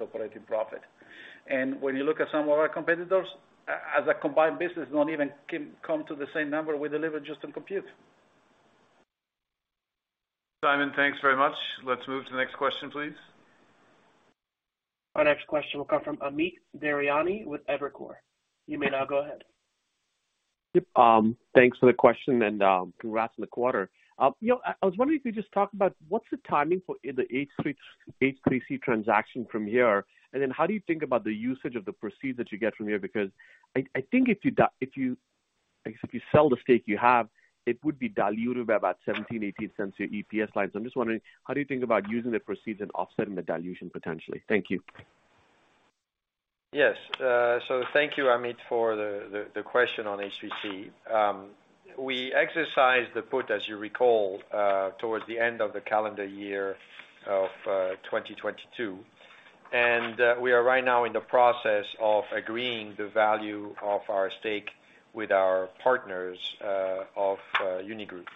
operating profit. When you look at some of our competitors, as a combined business, don't even come to the same number we delivered just in compute. Simon, thanks very much. Let's move to the next question, please. Our next question will come from Amit Daryanani with Evercore. You may now go ahead. Yep, thanks for the question and congrats on the quarter. You know, I was wondering if you could just talk about what's the timing for the H3C transaction from here, and then how do you think about the usage of the proceeds that you get from here? I think if you sell the stake you have, it would be dilutive by about $0.17-$0.18 to your EPS line. I'm just wondering, how do you think about using the proceeds and offsetting the dilution potentially? Thank you. Yes. Thank you, Amit, for the question on H3C. We exercised the put, as you recall, towards the end of the calendar year of 2022. We are right now in the process of agreeing the value of our stake with our partners of Unigroup.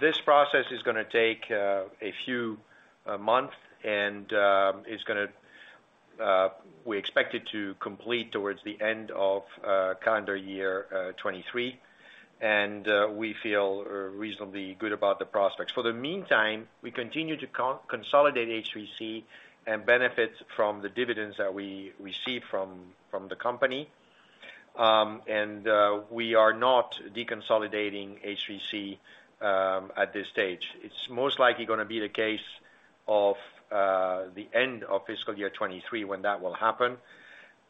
This process is gonna take a few month. We expect it to complete towards the end of calendar year 23. We feel reasonably good about the prospects. For the meantime, we continue to consolidate H3C and benefit from the dividends that we receive from the company. We are not deconsolidating H3C at this stage. It's most likely gonna be the case of the end of fiscal year 23 when that will happen.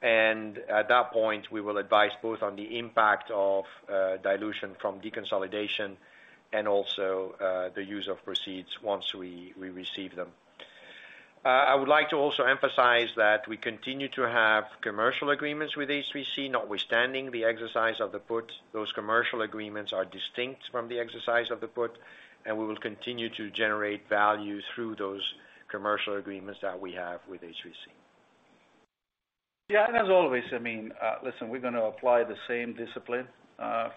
At that point, we will advise both on the impact of dilution from deconsolidation and also the use of proceeds once we receive them. I would like to also emphasize that we continue to have commercial agreements with H3C, notwithstanding the exercise of the put. Those commercial agreements are distinct from the exercise of the put, and we will continue to generate value through those commercial agreements that we have with H3C. Yeah, as always, I mean, listen, we're gonna apply the same discipline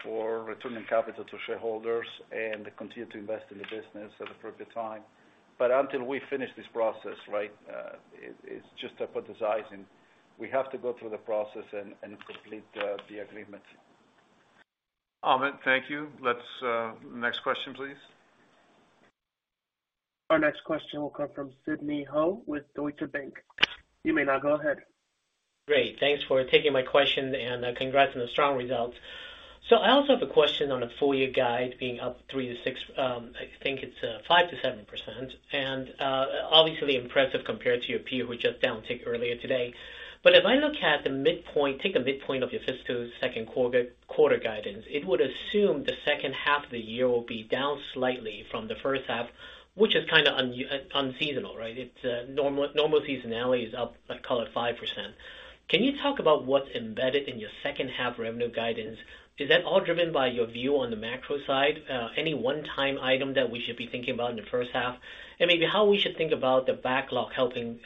for returning capital to shareholders and continue to invest in the business at the appropriate time. Until we finish this process, right, it's just hypothesizing. We have to go through the process and complete the agreement. Amit, thank you. Let's next question, please. Our next question will come from Sidney Ho with Deutsche Bank. You may now go ahead. Great. Thanks for taking my question, and congrats on the strong results. I also have a question on the full year guide being up 3%-6%, I think it's 5%-7%. Obviously impressive compared to your peer who just down-ticked earlier today. If I look at the midpoint, take the midpoint of your fiscal Q2 guidance, it would assume the second half of the year will be down slightly from the first half, which is kind of unseasonal, right? It's normal seasonality is up, let's call it, 5%. Can you talk about what's embedded in your second half revenue guidance? Is that all driven by your view on the macro side? Any one-time item that we should be thinking about in the first half? Maybe how we should think about the backlog helping...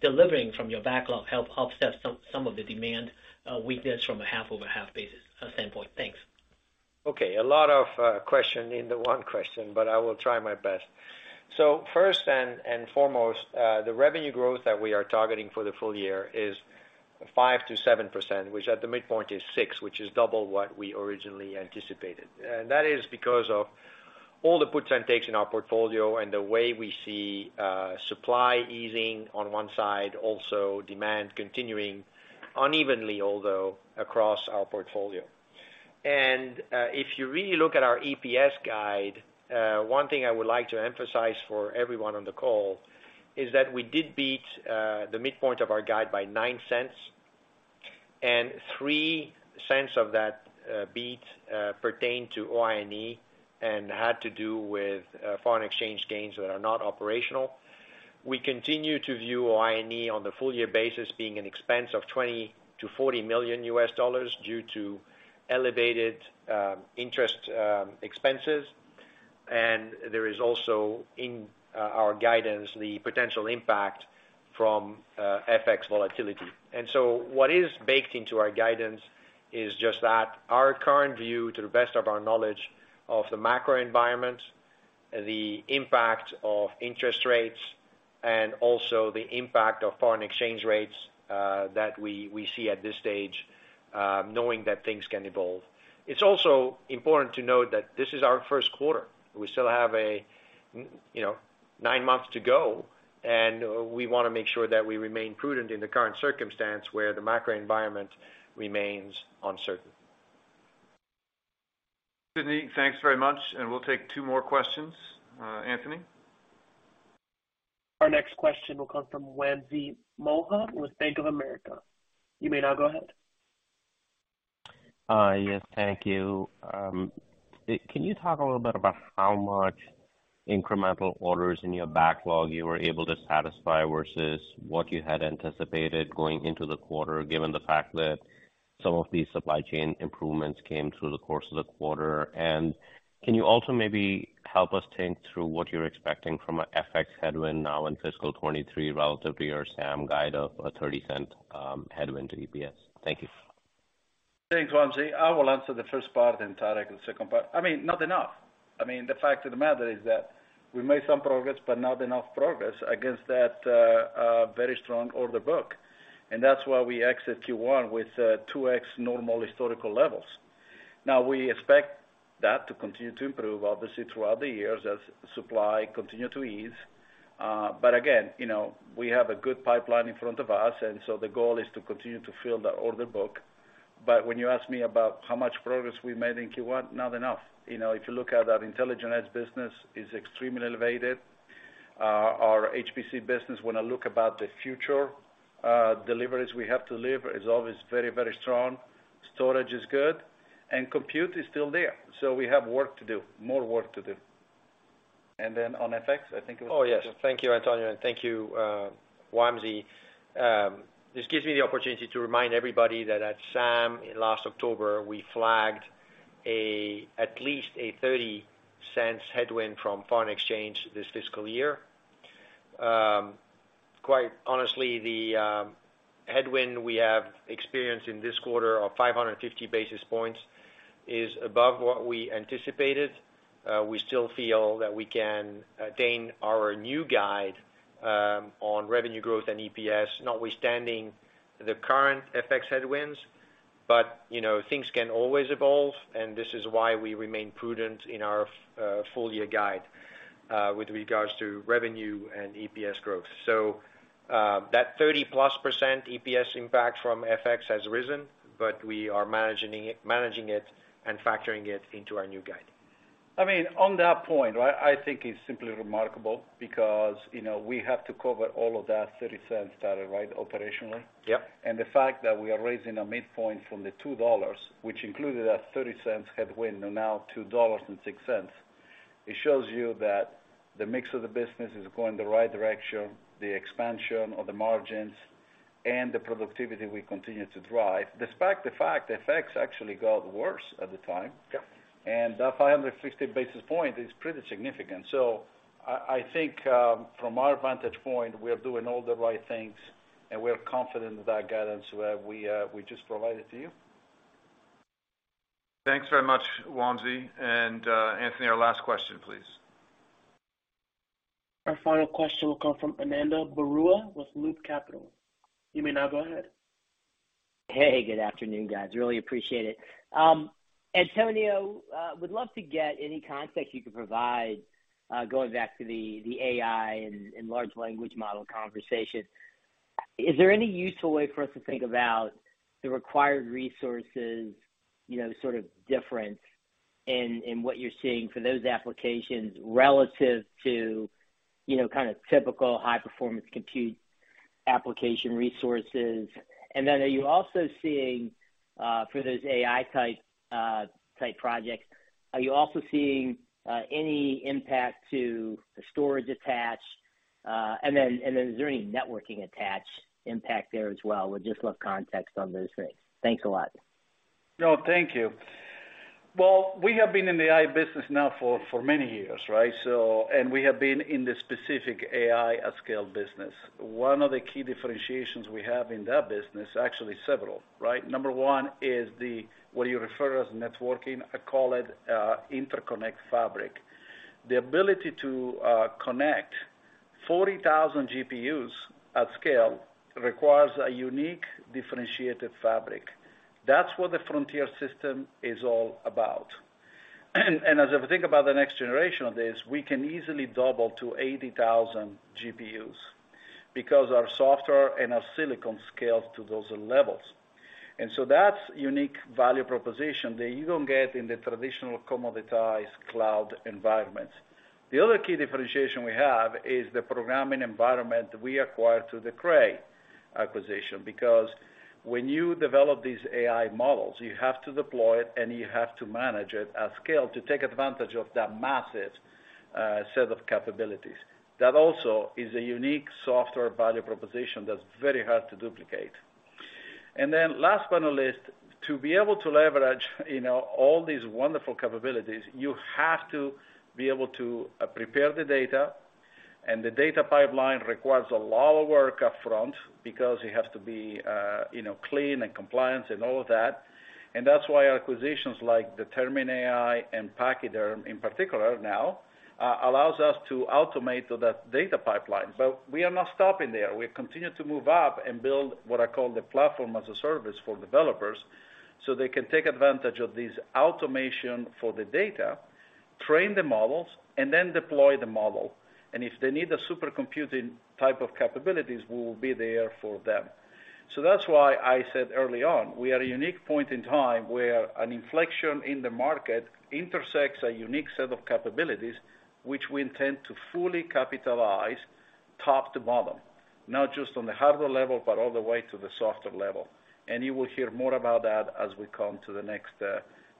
Delivering from your backlog help offset some of the demand weakness from a half-over-half basis standpoint? Thanks. A lot of question into one question, but I will try my best. First and foremost, the revenue growth that we are targeting for the full year is 5%-7%, which at the midpoint is 6, which is double what we originally anticipated. That is because of all the puts and takes in our portfolio and the way we see supply easing on one side, also demand continuing unevenly, although, across our portfolio. If you really look at our EPS guide, one thing I would like to emphasize for everyone on the call is that we did beat the midpoint of our guide by $0.09, and $0.03 of that beat pertained to OI&E and had to do with foreign exchange gains that are not operational. We continue to view OI&E on the full year basis being an expense of $20 million-$40 million due to elevated interest expenses. There is also in our guidance the potential impact from FX volatility. What is baked into our guidance is just that our current view, to the best of our knowledge of the macro environment, the impact of interest rates, and also the impact of foreign exchange rates that we see at this stage, knowing that things can evolve. It's also important to note that this is our Q1. We still have you know, 9 months to go, and we wanna make sure that we remain prudent in the current circumstance where the macro environment remains uncertain. Sidney, thanks very much. We'll take 2 more questions. Anthony? Our next question will come from Wamsi Mohan with Bank of America. You may now go ahead. Yes, thank you. Can you talk a little bit about how much incremental orders in your backlog you were able to satisfy versus what you had anticipated going into the quarter, given the fact that some of these supply chain improvements came through the course of the quarter? Can you also maybe help us think through what you're expecting from a FX headwind now in fiscal 2023 relative to your SAM guide of a $0.30 headwind to EPS? Thank you. Thanks, Wamsi. I will answer the first part, and Tarek the second part. I mean, not enough. I mean, the fact of the matter is that we made some progress, but not enough progress against that very strong order book, and that's why we exit Q1 with 2x normal historical levels. We expect that to continue to improve, obviously, throughout the years as supply continue to ease. Again, you know, we have a good pipeline in front of us, the goal is to continue to fill that order book. When you ask me about how much progress we made in Q1, not enough. You know, if you look at our Intelligent Edge business is extremely elevated. Our HPC business, when I look about the future, deliveries we have to deliver is always very, very strong. Storage is good, and compute is still there. We have work to do, more work to do. On FX, I think Oh, yes. Thank you, Antonio Neri, and thank you, Wamsi Mohan. This gives me the opportunity to remind everybody that at SAM last October, we flagged at least a $0.30 headwind from foreign exchange this fiscal year. Quite honestly, the headwind we have experienced in this quarter of 550 basis points is above what we anticipated. We still feel that we can attain our new guide on revenue growth and EPS, notwithstanding the current FX headwinds. You know, things can always evolve, and this is why we remain prudent in our full year guide with regards to revenue and EPS growth. That 30%+ EPS impact from FX has risen, but we are managing it and factoring it into our new guide. I mean, on that point, right, I think it's simply remarkable because, you know, we have to cover all of that $0.30, Tarek, right, operationally. Yeah. The fact that we are raising a midpoint from the $2, which included that $0.30 headwind, now $2.06, it shows you that the mix of the business is going the right direction, the expansion of the margins and the productivity we continue to drive, despite the fact FX actually got worse at the time. Yeah. That 550 basis point is pretty significant. I think, from our vantage point, we are doing all the right things, and we are confident with that guidance where we just provided to you. Thanks very much, Wamsi. Anthony, our last question, please. Our final question will come from Ananda Baruah with Loop Capital. You may now go ahead. Hey, good afternoon, guys. Really appreciate it. Antonio, would love to get any context you could provide, going back to the AI and large language model conversation. Is there any useful way for us to think about the required resources, you know, sort of difference in what you're seeing for those applications relative to, you know, kind of typical high-performance compute application resources? Are you also seeing, for those AI type projects, are you also seeing, any impact to the storage attach? Is there any networking attach impact there as well? Would just love context on those things. Thanks a lot. No, thank you. Well, we have been in the AI business now for many years, right? We have been in the specific AI at scale business. One of the key differentiations we have in that business, actually several, right? Number one is the, what you refer as networking, I call it interconnect fabric. The ability to connect 40,000 GPUs at scale requires a unique differentiated fabric. That's what the Frontier system is all about. As I think about the next generation of this, we can easily double to 80,000 GPUs because our software and our silicon scales to those levels. That's unique value proposition that you don't get in the traditional commoditized cloud environments. The other key differentiation we have is the programming environment we acquired through the Cray acquisition. When you develop these AI models, you have to deploy it, and you have to manage it at scale to take advantage of that massive set of capabilities. That also is a unique software value proposition that's very hard to duplicate. Last but not least, to be able to leverage, you know, all these wonderful capabilities, you have to be able to prepare the data. The data pipeline requires a lot of work upfront because it has to be, you know, clean and compliant and all of that. That's why acquisitions like Determined AI and Pachyderm, in particular now, allows us to automate that data pipeline. We are not stopping there. We continue to move up and build what I call the platform as a service for developers, so they can take advantage of this automation for the data, train the models, and then deploy the model. If they need the supercomputing type of capabilities, we will be there for them. That's why I said early on, we are a unique point in time where an inflection in the market intersects a unique set of capabilities which we intend to fully capitalize top to bottom. Not just on the hardware level, but all the way to the software level. You will hear more about that as we come to the next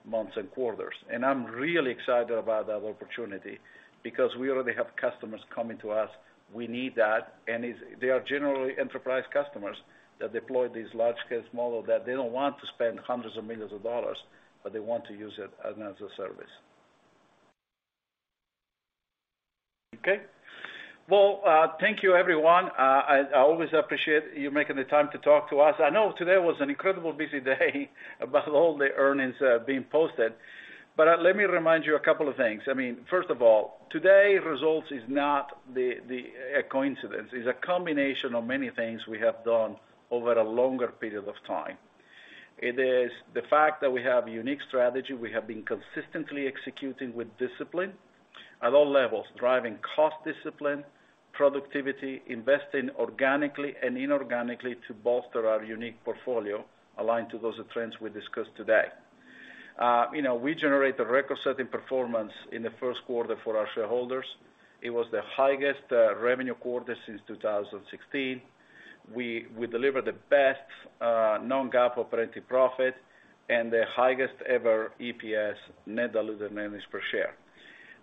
months and quarters. I'm really excited about that opportunity because we already have customers coming to us, we need that. They are generally enterprise customers that deploy these large-scale models that they don't want to spend hundreds of millions of dollars, but they want to use it as an end service. Okay. Well, thank you everyone. I always appreciate you making the time to talk to us. I know today was an incredible busy day about all the earnings being posted. Let me remind you a couple of things. I mean, first of all, today results is not the a coincidence. It's a combination of many things we have done over a longer period of time. It is the fact that we have a unique strategy. We have been consistently executing with discipline at all levels, driving cost discipline, productivity, investing organically and inorganically to bolster our unique portfolio aligned to those trends we discussed today. you know, we generate a record-setting performance in the Q1 for our shareholders. It was the highest revenue quarter since 2016. We delivered the best non-GAAP operating profit and the highest ever EPS net diluted earnings per share.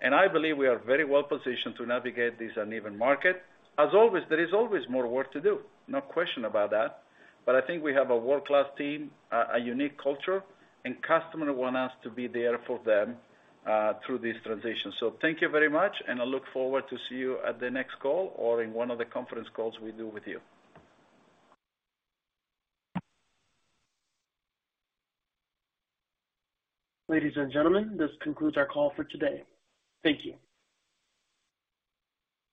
I believe we are very well positioned to navigate this uneven market. As always, there is always more work to do. No question about that. I think we have a world-class team, a unique culture, and customers want us to be there for them through this transition. Thank you very much, and I look forward to see you at the next call or in one of the conference calls we do with you. Ladies and gentlemen, this concludes our call for today. Thank you.